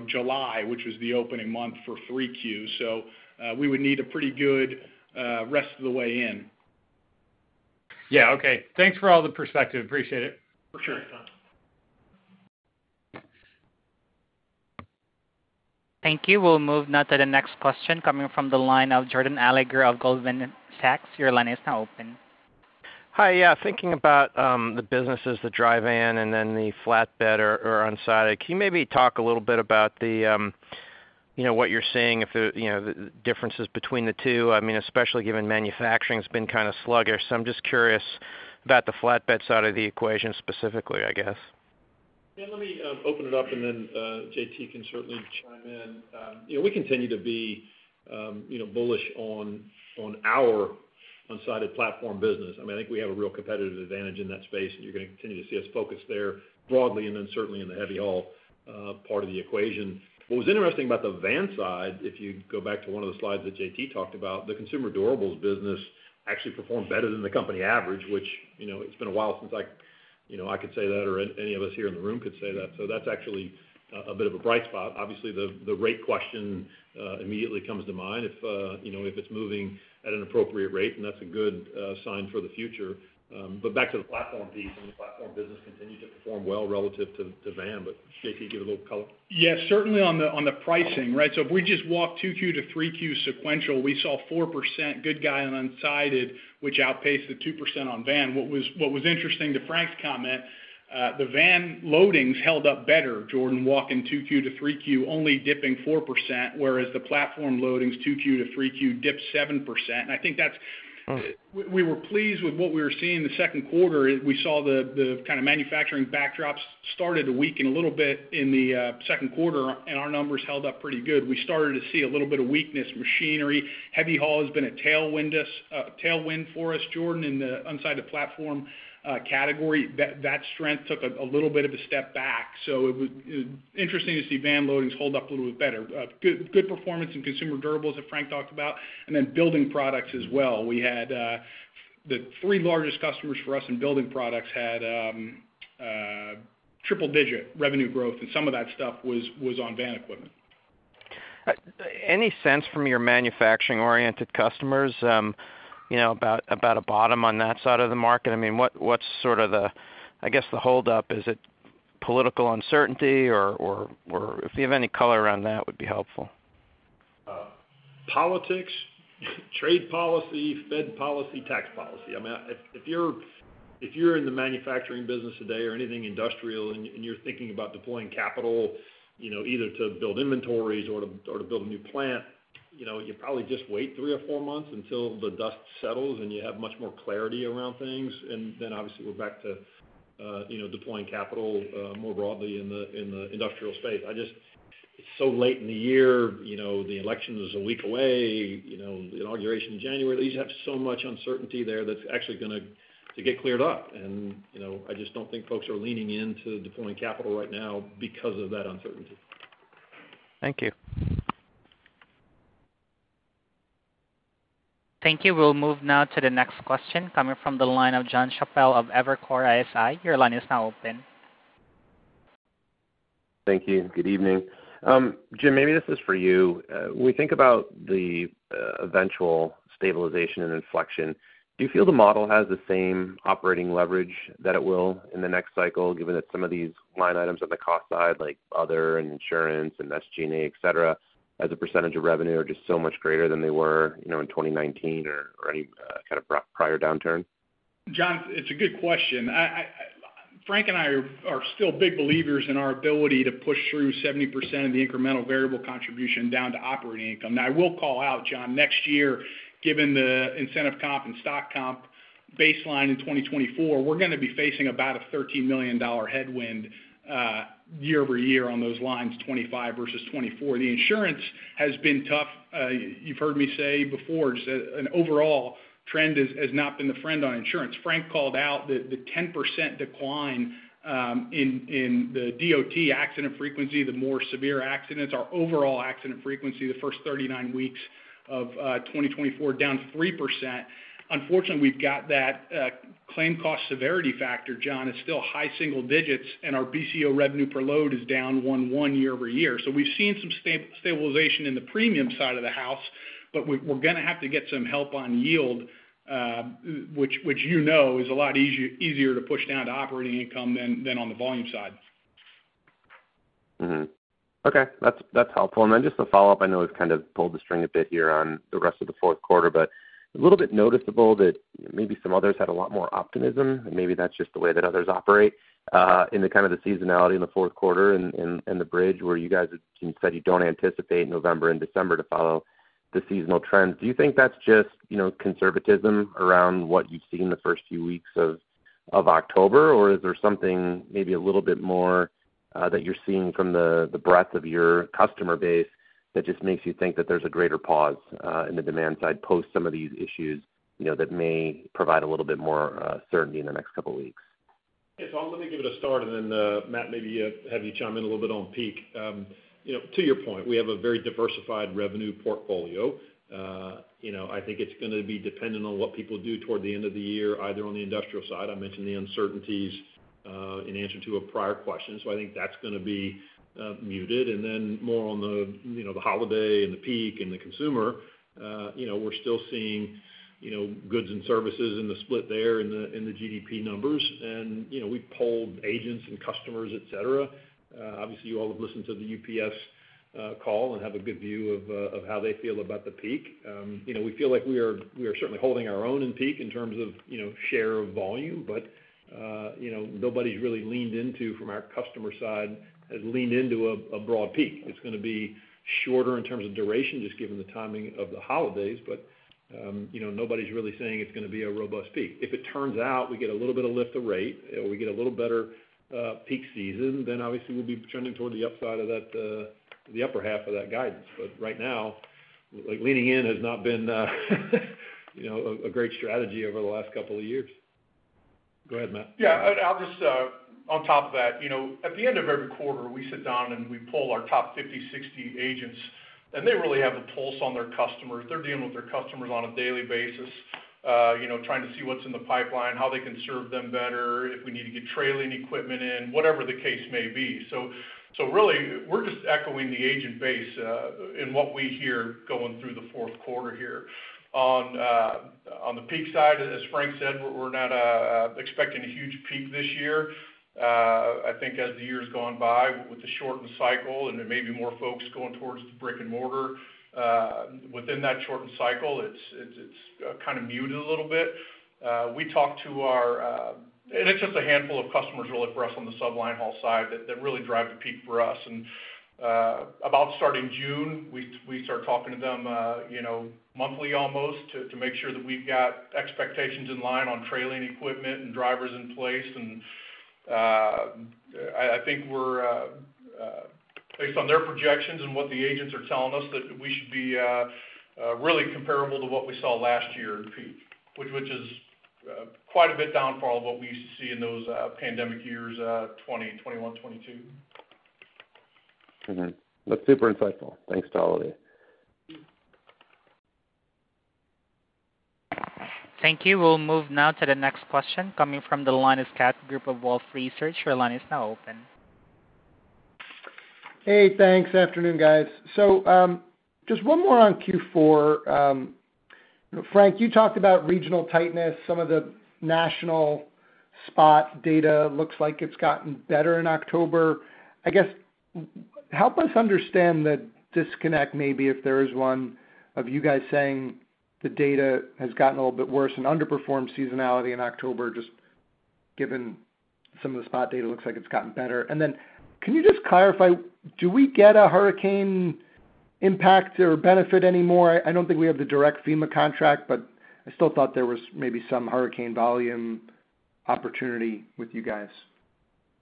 July, which was the opening month for 3Q. So we would need a pretty good rest of the way in. Yeah. Okay. Thanks for all the perspective. Appreciate it. For sure. Thank you. We'll move now to the next question coming from the line of Jordan Alliger of Goldman Sachs. Your line is now open. Hi. Yeah. Thinking about the businesses, the dry van and then the flatbed or unsided, can you maybe talk a little bit about what you're seeing, the differences between the two? I mean, especially given manufacturing has been kind of sluggish. So I'm just curious about the flatbed side of the equation specifically, I guess. Yeah. Let me open it up, and then JT can certainly chime in. We continue to be bullish on our unsided platform business. I mean, I think we have a real competitive advantage in that space, and you're going to continue to see us focus there broadly and then certainly in the heavy haul part of the equation. What was interesting about the van side, if you go back to one of the slides that JT talked about, the consumer durables business actually performed better than the company average, which it's been a while since I could say that or any of us here in the room could say that. So that's actually a bit of a bright spot. Obviously, the rate question immediately comes to mind if it's moving at an appropriate rate, and that's a good sign for the future. But back to the platform piece, I mean, platform business continued to perform well relative to van. But JT, give it a little color. Yeah. Certainly on the pricing, right? So if we just walk 2Q to 3Q sequential, we saw 4% growth on unsided, which outpaced the 2% on van. What was interesting to Frank's comment, the van loadings held up better, Jordan, walking 2Q to 3Q, only dipping 4%, whereas the platform loadings 2Q to 3Q dipped 7%. And I think that we were pleased with what we were seeing the second quarter. We saw the kind of manufacturing backdrops started to weaken a little bit in the second quarter, and our numbers held up pretty good. We started to see a little bit of weakness machinery. Heavy haul has been a tailwind for us, Jordan, in the unsided platform category. That strength took a little bit of a step back. So it was interesting to see van loadings hold up a little bit better. Good performance in consumer durables, as Frank talked about, and then building products as well. We had the three largest customers for us in building products had triple-digit revenue growth, and some of that stuff was on van equipment. Any sense from your manufacturing-oriented customers about a bottom on that side of the market? I mean, what's sort of the, I guess, the holdup? Is it political uncertainty? Or if you have any color around that, it would be helpful. Politics, trade policy, Fed policy, tax policy. I mean, if you're in the manufacturing business today or anything industrial and you're thinking about deploying capital either to build inventories or to build a new plant, you probably just wait three or four months until the dust settles and you have much more clarity around things. And then obviously, we're back to deploying capital more broadly in the industrial space. It's so late in the year. The election is a week away. The inauguration in January. They just have so much uncertainty there that's actually going to get cleared up. And I just don't think folks are leaning into deploying capital right now because of that uncertainty. Thank you. Thank you. We'll move now to the next question coming from the line of Jonathan Chappell of Evercore ISI. Your line is now open. Thank you. Good evening. Jim, maybe this is for you. When we think about the eventual stabilization and inflection, do you feel the model has the same operating leverage that it will in the next cycle, given that some of these line items on the cost side, like other and insurance and SG&A, etc., as a percentage of revenue are just so much greater than they were in 2019 or any kind of prior downturn? John, it's a good question. Frank and I are still big believers in our ability to push through 70% of the incremental variable contribution down to operating income. Now, I will call out, John, next year, given the incentive comp and stock comp baseline in 2024, we're going to be facing about a $13 million headwind year-over-year on those lines, 25 versus 24. The insurance has been tough. You've heard me say before, just an overall trend has not been the friend on insurance. Frank called out the 10% decline in the DOT accident frequency, the more severe accidents. Our overall accident frequency the first 39 weeks of 2024 down 3%. Unfortunately, we've got that claim cost severity factor, John, is still high single digits, and our BCO revenue per load is down 11% year-over-year. So we've seen some stabilization in the premium side of the house, but we're going to have to get some help on yield, which you know is a lot easier to push down to operating income than on the volume side. Okay. That's helpful. And then just to follow up, I know we've kind of pulled the string a bit here on the rest of the fourth quarter, but a little bit noticeable that maybe some others had a lot more optimism. Maybe that's just the way that others operate in kind of the seasonality in the fourth quarter and the bridge where you guys said you don't anticipate November and December to follow the seasonal trends. Do you think that's just conservatism around what you've seen the first few weeks of October, or is there something maybe a little bit more that you're seeing from the breadth of your customer base that just makes you think that there's a greater pause in the demand side post some of these issues that may provide a little bit more certainty in the next couple of weeks? Yeah. Tom, let me give it a start, and then Matt, maybe have you chime in a little bit on peak. To your point, we have a very diversified revenue portfolio. I think it's going to be dependent on what people do toward the end of the year, either on the industrial side. I mentioned the uncertainties in answer to a prior question. So I think that's going to be muted, and then more on the holiday and the peak and the consumer, we're still seeing goods and services in the split there in the GDP numbers, and we've polled agents and customers, etc. Obviously, you all have listened to the UPS call and have a good view of how they feel about the peak. We feel like we are certainly holding our own in peak in terms of share of volume, but nobody's really leaned into from our customer side has leaned into a broad peak. It's going to be shorter in terms of duration, just given the timing of the holidays, but nobody's really saying it's going to be a robust peak. If it turns out we get a little bit of lift of rate or we get a little better peak season, then obviously we'll be trending toward the upside of the upper half of that guidance. But right now, leaning in has not been a great strategy over the last couple of years. Go ahead, Matt. Yeah. On top of that, at the end of every quarter, we sit down and we pull our top 50, 60 agents, and they really have a pulse on their customers. They're dealing with their customers on a daily basis, trying to see what's in the pipeline, how they can serve them better, if we need to get trailer equipment in, whatever the case may be. So really, we're just echoing the agent base in what we hear going through the fourth quarter here. On the peak side, as Frank said, we're not expecting a huge peak this year. I think as the year has gone by with the shortened cycle and there may be more folks going towards the brick and mortar, within that shortened cycle, it's kind of muted a little bit. We talk to. It's just a handful of customers really for us on the sub-linehaul side that really drive the peak for us. About starting June, we start talking to them monthly almost to make sure that we've got expectations in line on trailing equipment and drivers in place. And I think we're, based on their projections and what the agents are telling us, that we should be really comparable to what we saw last year in peak, which is quite a bit down from what we used to see in those pandemic years, 2020, 2021, 2022. That's super insightful. Thanks to all of you. Thank you. We'll move now to the next question coming from the Scott Group of Wolfe Research. Your line is now open. Hey, thanks. Afternoon, guys. So just one more on Q4. Frank, you talked about regional tightness. Some of the national spot data looks like it's gotten better in October. I guess help us understand the disconnect, maybe if there is one, you guys saying the data has gotten a little bit worse and underperformed seasonality in October, just given some of the spot data looks like it's gotten better. And then can you just clarify, do we get a hurricane impact or benefit anymore? I don't think we have the direct FEMA contract, but I still thought there was maybe some hurricane volume opportunity with you guys.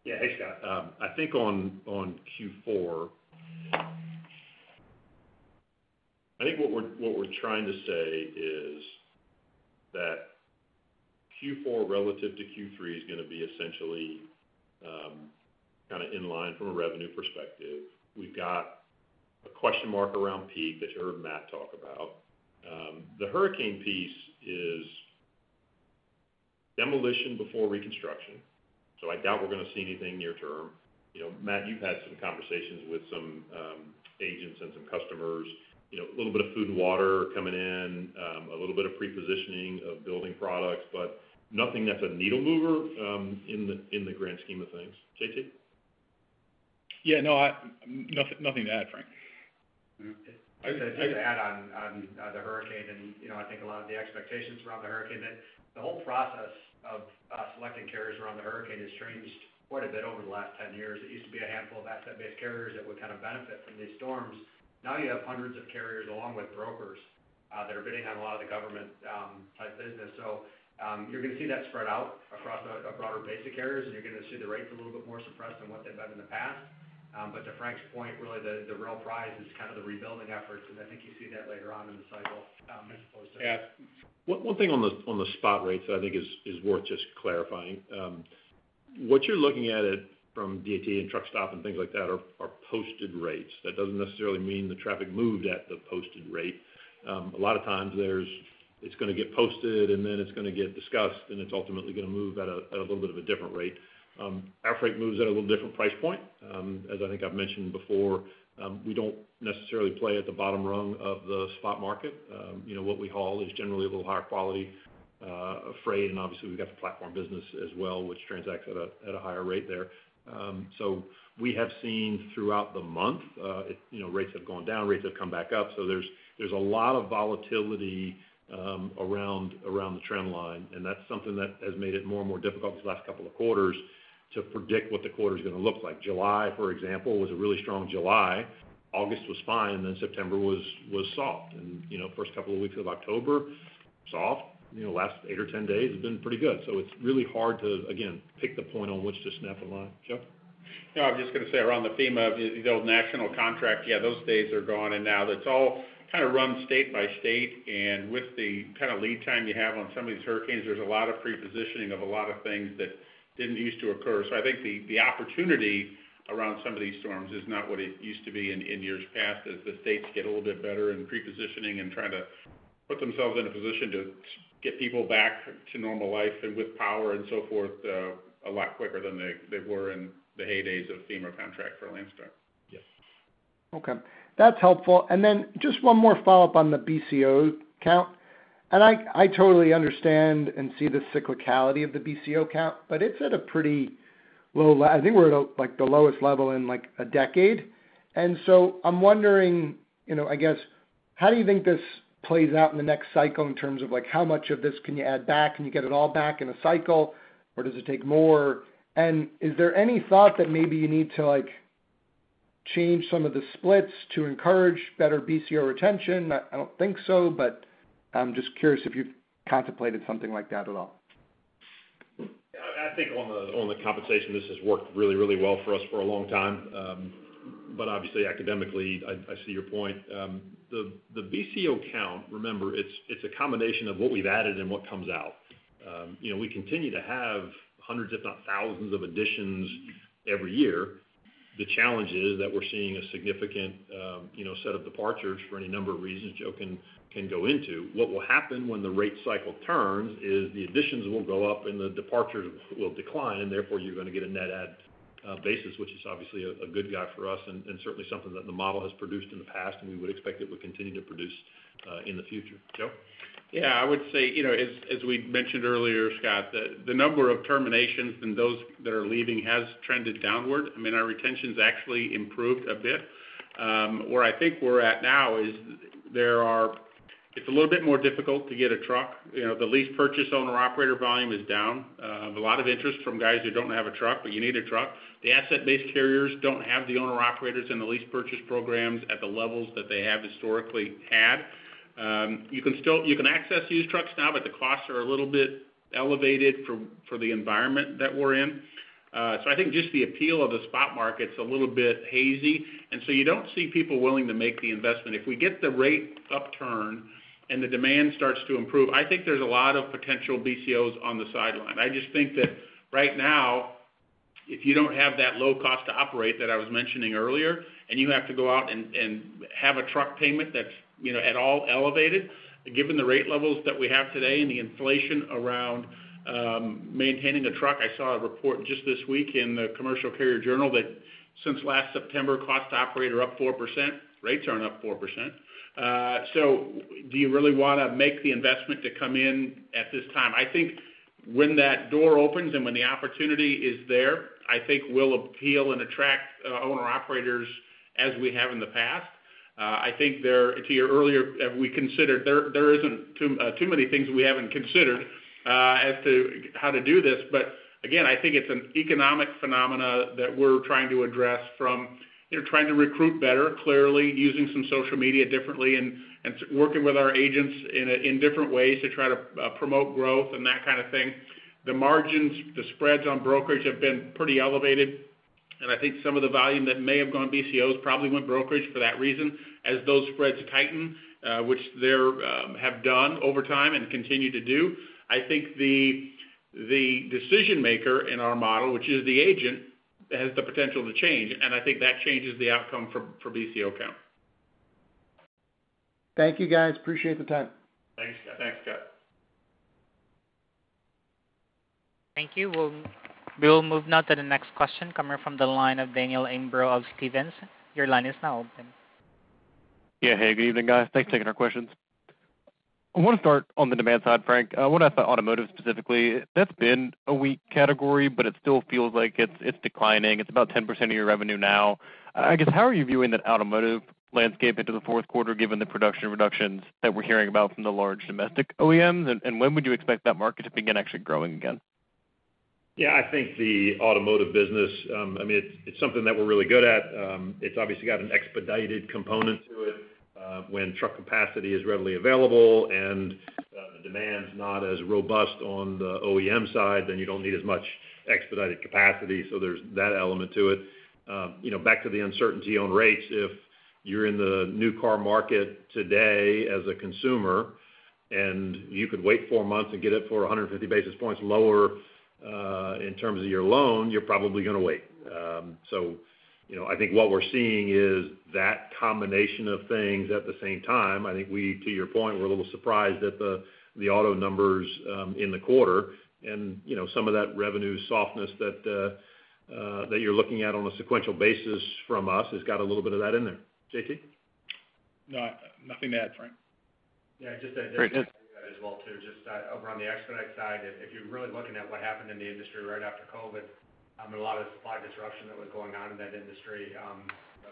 Yeah. Hey, Scott. I think on Q4, I think what we're trying to say is that Q4 relative to Q3 is going to be essentially kind of in line from a revenue perspective. We've got a question mark around peak that you heard Matt talk about. The hurricane piece is demolition before reconstruction. So I doubt we're going to see anything near term. Matt, you've had some conversations with some agents and some customers. A little bit of food and water coming in, a little bit of prepositioning of building products, but nothing that's a needle mover in the grand scheme of things. JT? Yeah. No, nothing to add, Frank. I just had to add on the hurricane. And I think a lot of the expectations around the hurricane, the whole process of selecting carriers around the hurricane has changed quite a bit over the last 10 years. It used to be a handful of asset-based carriers that would kind of benefit from these storms. Now you have hundreds of carriers along with brokers that are bidding on a lot of the government-type business. So you're going to see that spread out across a broader base of carriers, and you're going to see the rates a little bit more suppressed than what they've been in the past. But to Frank's point, really, the real prize is kind of the rebuilding efforts. And I think you see that later on in the cycle as opposed to. Yeah. One thing on the spot rates that I think is worth just clarifying, what you're looking at from DAT and Truckstop and things like that are posted rates. That doesn't necessarily mean the traffic moved at the posted rate. A lot of times it's going to get posted, and then it's going to get discussed, and it's ultimately going to move at a little bit of a different rate. Our freight moves at a little different price point. As I think I've mentioned before, we don't necessarily play at the bottom rung of the spot market. What we haul is generally a little higher quality freight. And obviously, we've got the platform business as well, which transacts at a higher rate there. So we have seen throughout the month, rates have gone down, rates have come back up. So there's a lot of volatility around the trend line. And that's something that has made it more and more difficult these last couple of quarters to predict what the quarter is going to look like. July, for example, was a really strong July. August was fine, and then September was soft. And first couple of weeks of October, soft. Last eight or 10 days have been pretty good. So it's really hard to, again, pick the point on which to snap the line. Joe? Yeah. I was just going to say around the FEMA, the old national contract, yeah, those days are gone. And now it's all kind of run state by state. And with the kind of lead time you have on some of these hurricanes, there's a lot of prepositioning of a lot of things that didn't used to occur. So I think the opportunity around some of these storms is not what it used to be in years past as the states get a little bit better in prepositioning and trying to put themselves in a position to get people back to normal life and with power and so forth a lot quicker than they were in the heydays of FEMA contract for Landstar. Yep. Okay. That's helpful, and then just one more follow-up on the BCO count. And I totally understand and see the cyclicality of the BCO count, but it's at a pretty low level. I think we're at the lowest level in a decade, and so I'm wondering, I guess, how do you think this plays out in the next cycle in terms of how much of this can you add back? Can you get it all back in a cycle, or does it take more, and is there any thought that maybe you need to change some of the splits to encourage better BCO retention? I don't think so, but I'm just curious if you've contemplated something like that at all. I think on the compensation, this has worked really, really well for us for a long time. But obviously, academically, I see your point. The BCO count, remember, it's a combination of what we've added and what comes out. We continue to have hundreds, if not thousands, of additions every year. The challenge is that we're seeing a significant set of departures for any number of reasons Joe can go into. What will happen when the rate cycle turns is the additions will go up and the departures will decline, and therefore you're going to get a net add basis, which is obviously a good guy for us and certainly something that the model has produced in the past, and we would expect it would continue to produce in the future. Joe? Yeah. I would say, as we mentioned earlier, Scott, the number of terminations and those that are leaving has trended downward. I mean, our retention's actually improved a bit. Where I think we're at now is there. It's a little bit more difficult to get a truck. The lease purchase owner-operator volume is down. A lot of interest from guys who don't have a truck, but you need a truck. The asset-based carriers don't have the owner-operators and the lease purchase programs at the levels that they have historically had. You can access used trucks now, but the costs are a little bit elevated for the environment that we're in. So I think just the appeal of the spot market's a little bit hazy. And so you don't see people willing to make the investment. If we get the rate upturn and the demand starts to improve, I think there's a lot of potential BCOs on the sideline. I just think that right now, if you don't have that low cost to operate that I was mentioning earlier, and you have to go out and have a truck payment that's at all elevated, given the rate levels that we have today and the inflation around maintaining a truck, I saw a report just this week in the Commercial Carrier Journal that since last September, costs to operate up 4%. Rates aren't up 4%. So do you really want to make the investment to come in at this time? I think when that door opens and when the opportunity is there, I think we'll appeal and attract owner-operators as we have in the past. I think to your earlier, we considered there isn't too many things we haven't considered as to how to do this. But again, I think it's an economic phenomenon that we're trying to address from trying to recruit better, clearly using some social media differently and working with our agents in different ways to try to promote growth and that kind of thing. The margins, the spreads on brokerage have been pretty elevated. And I think some of the volume that may have gone BCOs probably went brokerage for that reason as those spreads tightened, which they have done over time and continue to do. I think the decision maker in our model, which is the agent, has the potential to change. And I think that changes the outcome for BCO count. Thank you, guys. Appreciate the time. Thanks, Scott. Thank you. We'll move now to the next question coming from the line of Daniel Imbro of Stephens. Your line is now open. Yeah. Hey, good evening, guys. Thanks for taking our questions. I want to start on the demand side, Frank. I wonder about automotive specifically. That's been a weak category, but it still feels like it's declining. It's about 10% of your revenue now. I guess, how are you viewing that automotive landscape into the fourth quarter given the production reductions that we're hearing about from the large domestic OEMs? And when would you expect that market to begin actually growing again? Yeah. I think the automotive business, I mean, it's something that we're really good at. It's obviously got an expedited component to it. When truck capacity is readily available and the demand's not as robust on the OEM side, then you don't need as much expedited capacity. So there's that element to it. Back to the uncertainty on rates, if you're in the new car market today as a consumer and you could wait four months and get it for 150 basis points lower in terms of your loan, you're probably going to wait. So I think what we're seeing is that combination of things at the same time. I think we, to your point, were a little surprised at the auto numbers in the quarter. Some of that revenue softness that you're looking at on a sequential basis from us has got a little bit of that in there. JT? No, nothing to add, Frank. Yeah. Just to add as well too, just around the expedite side, if you're really looking at what happened in the industry right after COVID and a lot of the supply disruption that was going on in that industry,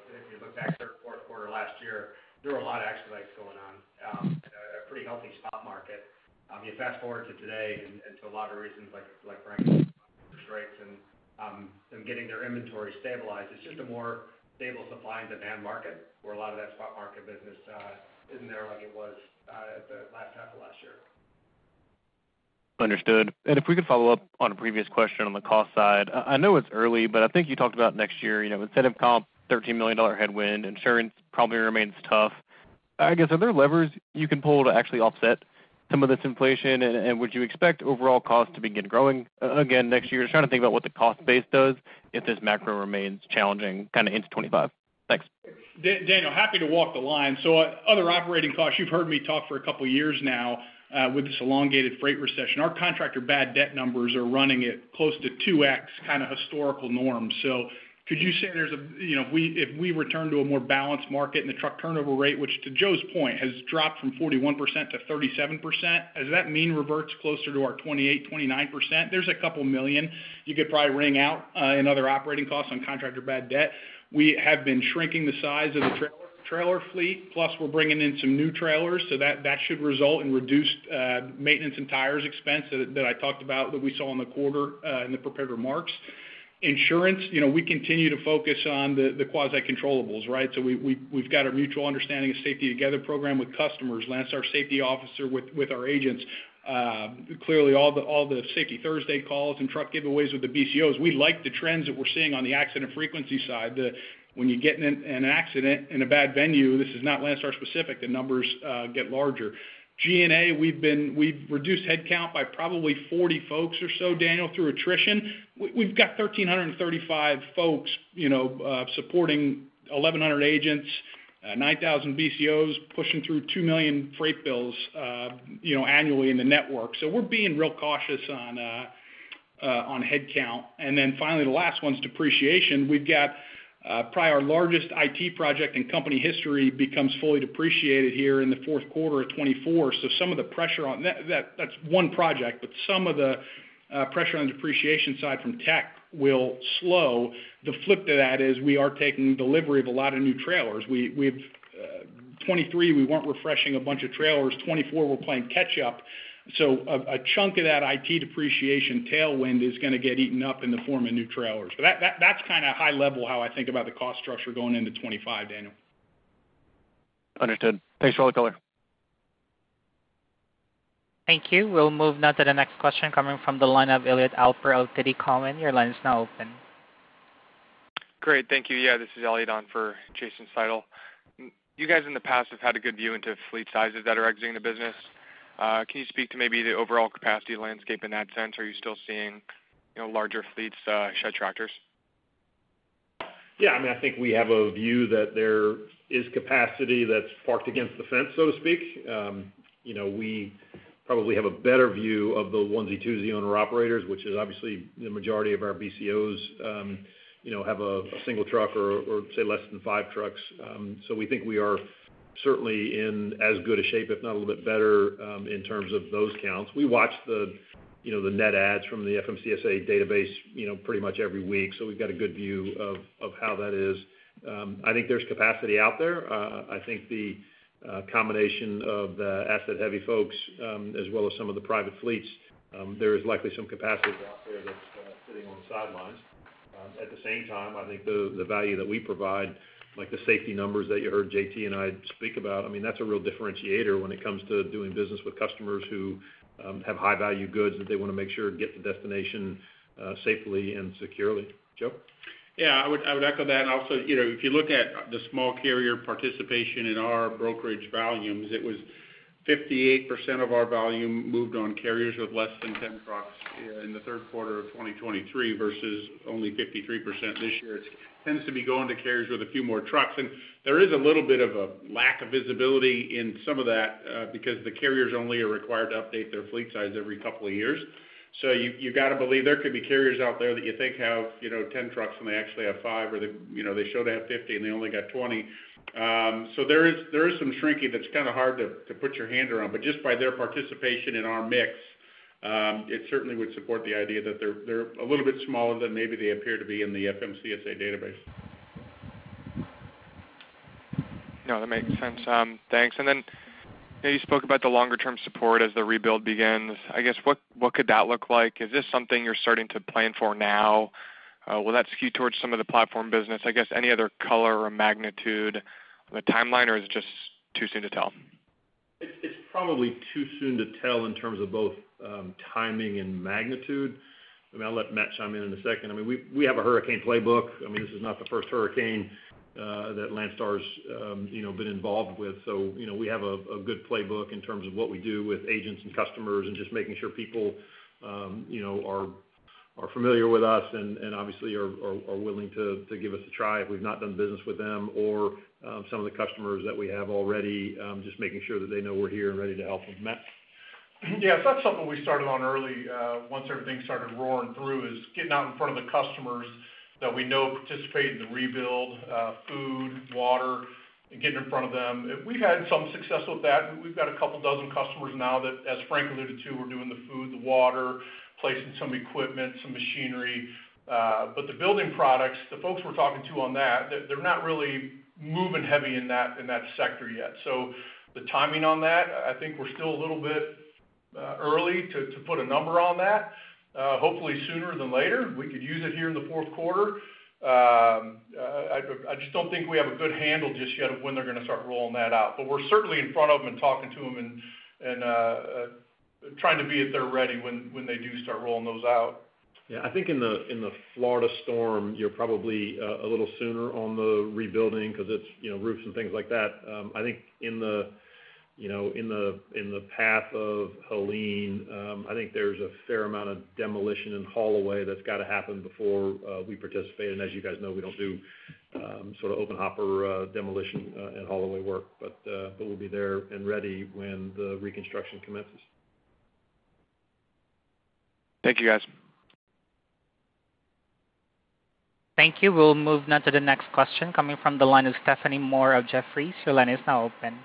if you look back third, fourth quarter last year, there were a lot of expedites going on, a pretty healthy spot market. If you fast forward to today and to a lot of reasons like the UAW strikes and them getting their inventory stabilized, it's just a more stable supply and demand market where a lot of that spot market business isn't there like it was at the last half of last year. Understood, and if we could follow up on a previous question on the cost side, I know it's early, but I think you talked about next year, incentive comp, $13 million headwind, insurance probably remains tough. I guess, are there levers you can pull to actually offset some of this inflation? And would you expect overall costs to begin growing again next year? Just trying to think about what the cost base does if this macro remains challenging kind of into 2025. Thanks. Daniel, happy to walk the line. So other operating costs, you've heard me talk for a couple of years now with this elongated freight recession. Our contractor bad debt numbers are running at close to 2X kind of historical norms. So could you say there's a if we return to a more balanced market and the truck turnover rate, which to Joe's point has dropped from 41% to 37%, does that mean revert closer to our 28%-29%? There's a couple of million you could probably ring out in other operating costs on contractor bad debt. We have been shrinking the size of the trailer fleet, plus we're bringing in some new trailers. So that should result in reduced maintenance and tires expense that I talked about that we saw in the quarter in the prepared remarks. Insurance, we continue to focus on the quasi-controllables, right? So we've got our Mutual Understanding of Safety Together program with customers, Landstar Safety Officer with our agents. Clearly, all the Safety Thursday calls and truck giveaways with the BCOs, we like the trends that we're seeing on the accident frequency side. When you get in an accident in a bad venue, this is not Landstar specific, the numbers get larger. G&A, we've reduced headcount by probably 40 folks or so, Daniel, through attrition. We've got 1,335 folks supporting 1,100 agents, 9,000 BCOs pushing through 2 million freight bills annually in the network. So we're being real cautious on headcount. And then finally, the last one's depreciation. We've got probably our largest IT project in company history becomes fully depreciated here in the fourth quarter of 2024. So some of the pressure on that's one project, but some of the pressure on the depreciation side from tech will slow. The flip to that is we are taking delivery of a lot of new trailers. We have 2023, we weren't refreshing a bunch of trailers. 2024, we're playing catch-up. So a chunk of that IT depreciation tailwind is going to get eaten up in the form of new trailers. But that's kind of high level how I think about the cost structure going into 2025, Daniel. Understood. Thanks for all the color. Thank you. We'll move now to the next question coming from the line of Elliot Alper of TD Cowen. Your line is now open. Great. Thank you. Yeah. This is Elliot Alper for Jason Seidl. You guys in the past have had a good view into fleet sizes that are exiting the business. Can you speak to maybe the overall capacity landscape in that sense? Are you still seeing larger fleets shed tractors? Yeah. I mean, I think we have a view that there is capacity that's parked against the fence, so to speak. We probably have a better view of the onesie, twosie owner-operators, which is obviously the majority of our BCOs have a single truck or say less than five trucks. So we think we are certainly in as good a shape, if not a little bit better in terms of those counts. We watch the net adds from the FMCSA database pretty much every week. So we've got a good view of how that is. I think there's capacity out there. I think the combination of the asset-heavy folks as well as some of the private fleets, there is likely some capacity out there that's sitting on the sidelines. At the same time, I think the value that we provide, like the safety numbers that you heard JT and I speak about, I mean, that's a real differentiator when it comes to doing business with customers who have high-value goods that they want to make sure get to destination safely and securely. Joe? Yeah. I would echo that. Also, if you look at the small carrier participation in our brokerage volumes, it was 58% of our volume moved on carriers with less than 10 trucks in the third quarter of 2023 versus only 53% this year. It tends to be going to carriers with a few more trucks. And there is a little bit of a lack of visibility in some of that because the carriers only are required to update their fleet size every couple of years. So you got to believe there could be carriers out there that you think have 10 trucks and they actually have five, or they showed to have 50 and they only got 20. So there is some shrinking that's kind of hard to put your hand around. But just by their participation in our mix, it certainly would support the idea that they're a little bit smaller than maybe they appear to be in the FMCSA database. No, that makes sense. Thanks. And then you spoke about the longer-term support as the rebuild begins. I guess, what could that look like? Is this something you're starting to plan for now? Will that skew towards some of the platform business? I guess, any other color or magnitude on the timeline, or is it just too soon to tell? It's probably too soon to tell in terms of both timing and magnitude. I mean, I'll let Matt chime in in a second. I mean, we have a hurricane playbook. I mean, this is not the first hurricane that Landstar's been involved with. So we have a good playbook in terms of what we do with agents and customers and just making sure people are familiar with us and obviously are willing to give us a try if we've not done business with them or some of the customers that we have already, just making sure that they know we're here and ready to help them. Matt. Yeah. So that's something we started on early once everything started roaring through is getting out in front of the customers that we know participate in the rebuild, food, water, and getting in front of them. We've had some success with that. We've got a couple dozen customers now that, as Frank alluded to, we're doing the food, the water, placing some equipment, some machinery. But the building products, the folks we're talking to on that, they're not really moving heavy in that sector yet. So the timing on that, I think we're still a little bit early to put a number on that. Hopefully sooner than later, we could use it here in the fourth quarter. I just don't think we have a good handle just yet of when they're going to start rolling that out. But we're certainly in front of them and talking to them and trying to be at their ready when they do start rolling those out. Yeah. I think in the Florida storm, you're probably a little sooner on the rebuilding because it's roofs and things like that. I think in the path of Helene, I think there's a fair amount of demolition and haul away that's got to happen before we participate. And as you guys know, we don't do sort of open hopper demolition and haul away work, but we'll be there and ready when the reconstruction commences. Thank you, guys. Thank you. We'll move now to the next question coming from the line of Stephanie Moore of Jefferies. Your line is now open.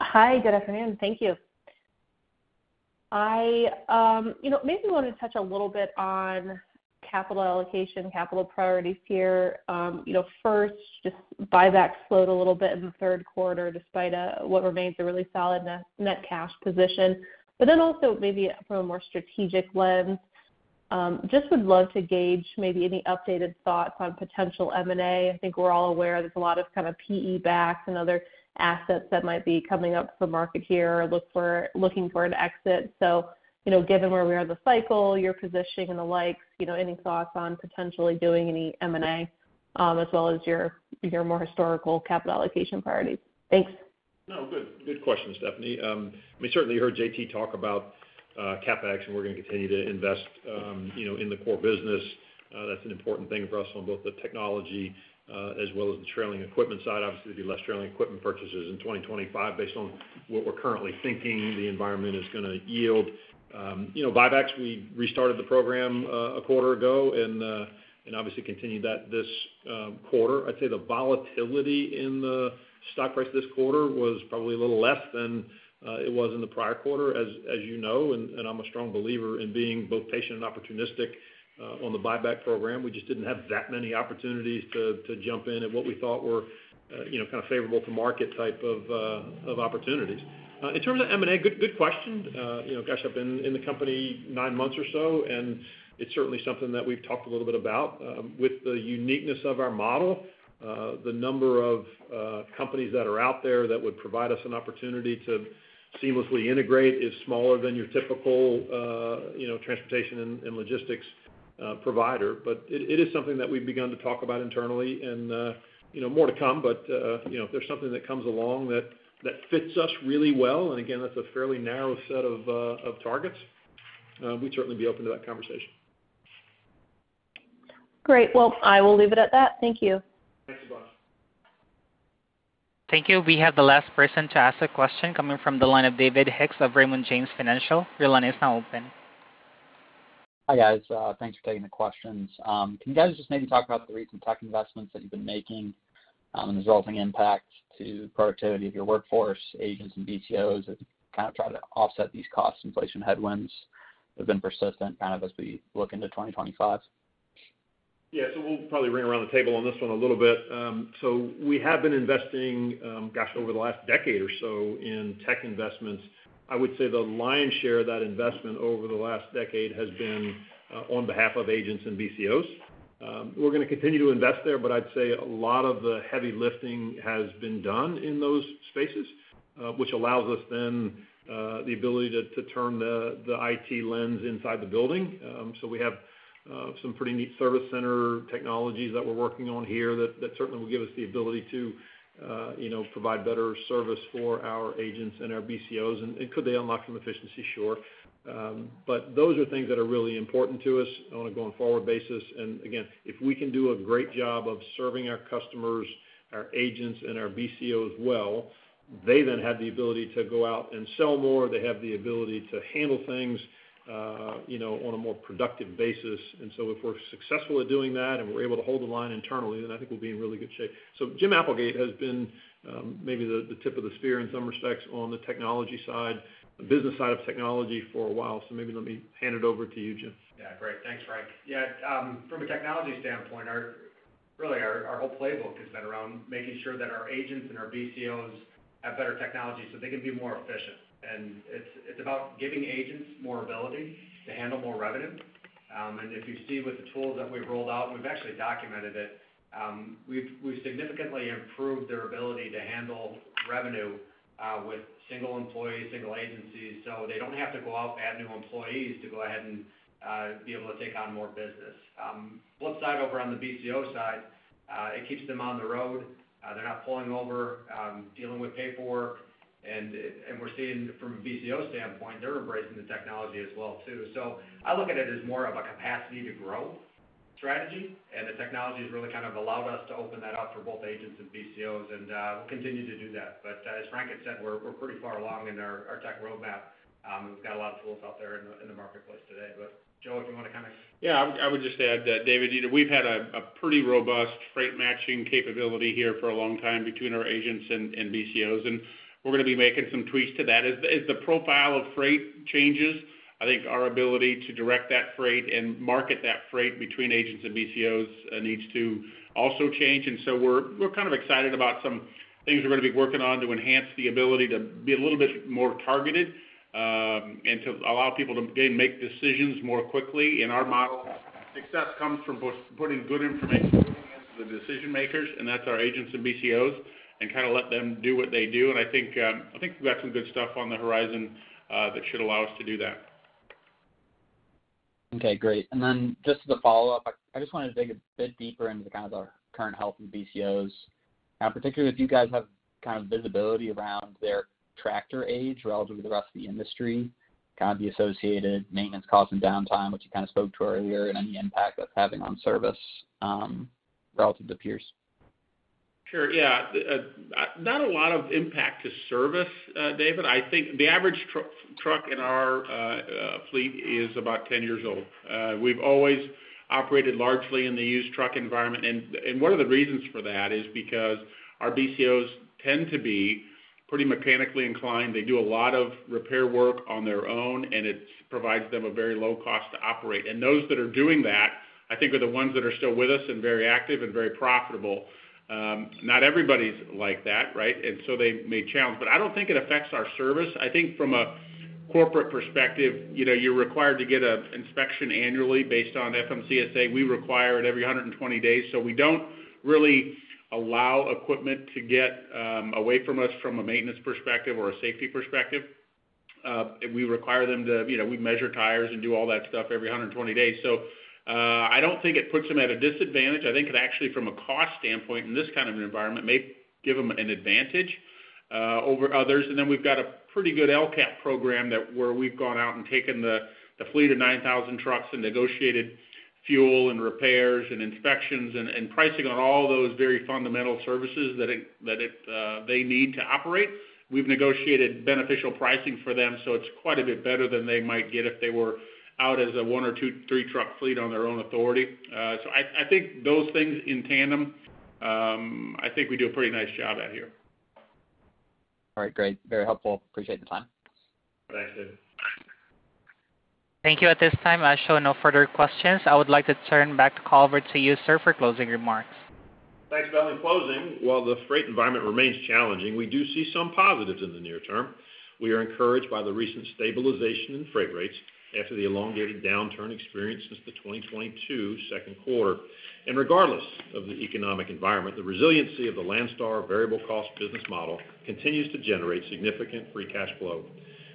Hi. Good afternoon. Thank you. I maybe want to touch a little bit on capital allocation, capital priorities here. First, just buyback slowed a little bit in the third quarter despite what remains a really solid net cash position. But then also maybe from a more strategic lens, just would love to gauge maybe any updated thoughts on potential M&A. I think we're all aware there's a lot of kind of PE-backed and other assets that might be coming up for market here or looking for an exit. So given where we are in the cycle, your positioning and the like, any thoughts on potentially doing any M&A as well as your more historical capital allocation priorities? Thanks. No, good question, Stephanie. I mean, certainly heard JT talk about CapEx, and we're going to continue to invest in the core business. That's an important thing for us on both the technology as well as the trailer equipment side. Obviously, there'll be less trailer equipment purchases in 2025 based on what we're currently thinking the environment is going to yield. Buybacks, we restarted the program a quarter ago and obviously continued that this quarter. I'd say the volatility in the stock price this quarter was probably a little less than it was in the prior quarter, as you know. I'm a strong believer in being both patient and opportunistic on the buyback program. We just didn't have that many opportunities to jump in at what we thought were kind of favorable to market type of opportunities. In terms of M&A, good question. Gosh, I've been in the company nine months or so, and it's certainly something that we've talked a little bit about. With the uniqueness of our model, the number of companies that are out there that would provide us an opportunity to seamlessly integrate is smaller than your typical transportation and logistics provider. But it is something that we've begun to talk about internally, and more to come. But if there's something that comes along that fits us really well, and again, that's a fairly narrow set of targets, we'd certainly be open to that conversation. Great. Well, I will leave it at that. Thank you. Thanks a bunch. Thank you. We have the last person to ask a question coming from the line of David Hicks of Raymond James Financial. Your line is now open. Hi guys. Thanks for taking the questions. Can you guys just maybe talk about the recent tech investments that you've been making and the resulting impact to productivity of your workforce, agents, and BCOs that kind of try to offset these costs, inflation, headwinds that have been persistent kind of as we look into 2025? Yeah. So we'll probably ring around the table on this one a little bit. So we have been investing, gosh, over the last decade or so in tech investments. I would say the lion's share of that investment over the last decade has been on behalf of agents and BCOs. We're going to continue to invest there, but I'd say a lot of the heavy lifting has been done in those spaces, which allows us then the ability to turn the IT lens inside the building. So we have some pretty neat service center technologies that we're working on here that certainly will give us the ability to provide better service for our agents and our BCOs. And could they unlock some efficiency? Sure. But those are things that are really important to us on a going forward basis. And again, if we can do a great job of serving our customers, our agents, and our BCOs well, they then have the ability to go out and sell more. They have the ability to handle things on a more productive basis. And so if we're successful at doing that and we're able to hold the line internally, then I think we'll be in really good shape. So Jim Applegate has been maybe the tip of the spear in some respects on the technology side, the business side of technology for a while. So maybe let me hand it over to you, Jim. Yeah. Great. Thanks, Frank. Yeah. From a technology standpoint, really our whole playbook has been around making sure that our agents and our BCOs have better technology so they can be more efficient. And it's about giving agents more ability to handle more revenue. And if you see with the tools that we've rolled out, and we've actually documented it, we've significantly improved their ability to handle revenue with single employees, single agencies, so they don't have to go out and add new employees to go ahead and be able to take on more business. Flip side over on the BCO side, it keeps them on the road. They're not pulling over, dealing with paperwork. And we're seeing from a BCO standpoint, they're embracing the technology as well too. So I look at it as more of a capacity to grow strategy. The technology has really kind of allowed us to open that up for both agents and BCOs. We'll continue to do that. As Frank had said, we're pretty far along in our tech roadmap. We've got a lot of tools out there in the marketplace today. Joe, if you want to kind of. Yeah. I would just add that, David, we've had a pretty robust freight matching capability here for a long time between our agents and BCOs. And we're going to be making some tweaks to that. As the profile of freight changes, I think our ability to direct that freight and market that freight between agents and BCOs needs to also change. And so we're kind of excited about some things we're going to be working on to enhance the ability to be a little bit more targeted and to allow people to make decisions more quickly. In our model, success comes from putting good information into the decision makers, and that's our agents and BCOs, and kind of let them do what they do. And I think we've got some good stuff on the horizon that should allow us to do that. Okay. Great. And then just as a follow-up, I just wanted to dig a bit deeper into kind of the current health of BCOs. Particularly if you guys have kind of visibility around their tractor age relative to the rest of the industry, kind of the associated maintenance costs and downtime, which you kind of spoke to earlier, and any impact that's having on service relative to peers. Sure. Yeah. Not a lot of impact to service, David. I think the average truck in our fleet is about 10 years old. We've always operated largely in the used truck environment. And one of the reasons for that is because our BCOs tend to be pretty mechanically inclined. They do a lot of repair work on their own, and it provides them a very low cost to operate. And those that are doing that, I think, are the ones that are still with us and very active and very profitable. Not everybody's like that, right? And so they may challenge. But I don't think it affects our service. I think from a corporate perspective, you're required to get an inspection annually based on FMCSA. We require it every 120 days. So we don't really allow equipment to get away from us from a maintenance perspective or a safety perspective. We require them to measure tires and do all that stuff every 120 days. So I don't think it puts them at a disadvantage. I think it actually, from a cost standpoint, in this kind of an environment, may give them an advantage over others. And then we've got a pretty good LCAPP program where we've gone out and taken the fleet of 9,000 trucks and negotiated fuel and repairs and inspections and pricing on all those very fundamental services that they need to operate. We've negotiated beneficial pricing for them. So it's quite a bit better than they might get if they were out as a one or two or three truck fleet on their own authority. So I think those things in tandem, I think we do a pretty nice job out here. All right. Great. Very helpful. Appreciate the time. Thanks, David. Thank you. At this time, I show no further questions. I would like to turn back the call over to you, sir, for closing remarks. Thanks, Ben. Closing, while the freight environment remains challenging, we do see some positives in the near term. We are encouraged by the recent stabilization in freight rates after the elongated downturn experienced since the 2022 second quarter, and regardless of the economic environment, the resiliency of the Landstar variable cost business model continues to generate significant free cash flow.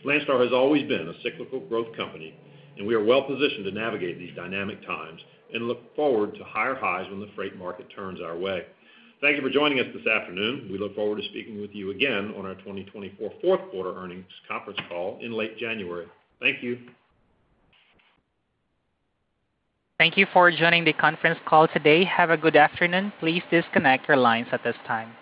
Landstar has always been a cyclical growth company, and we are well positioned to navigate these dynamic times and look forward to higher highs when the freight market turns our way. Thank you for joining us this afternoon. We look forward to speaking with you again on our 2024 fourth quarter earnings conference call in late January. Thank you. Thank you for joining the conference call today. Have a good afternoon. Please disconnect your lines at this time.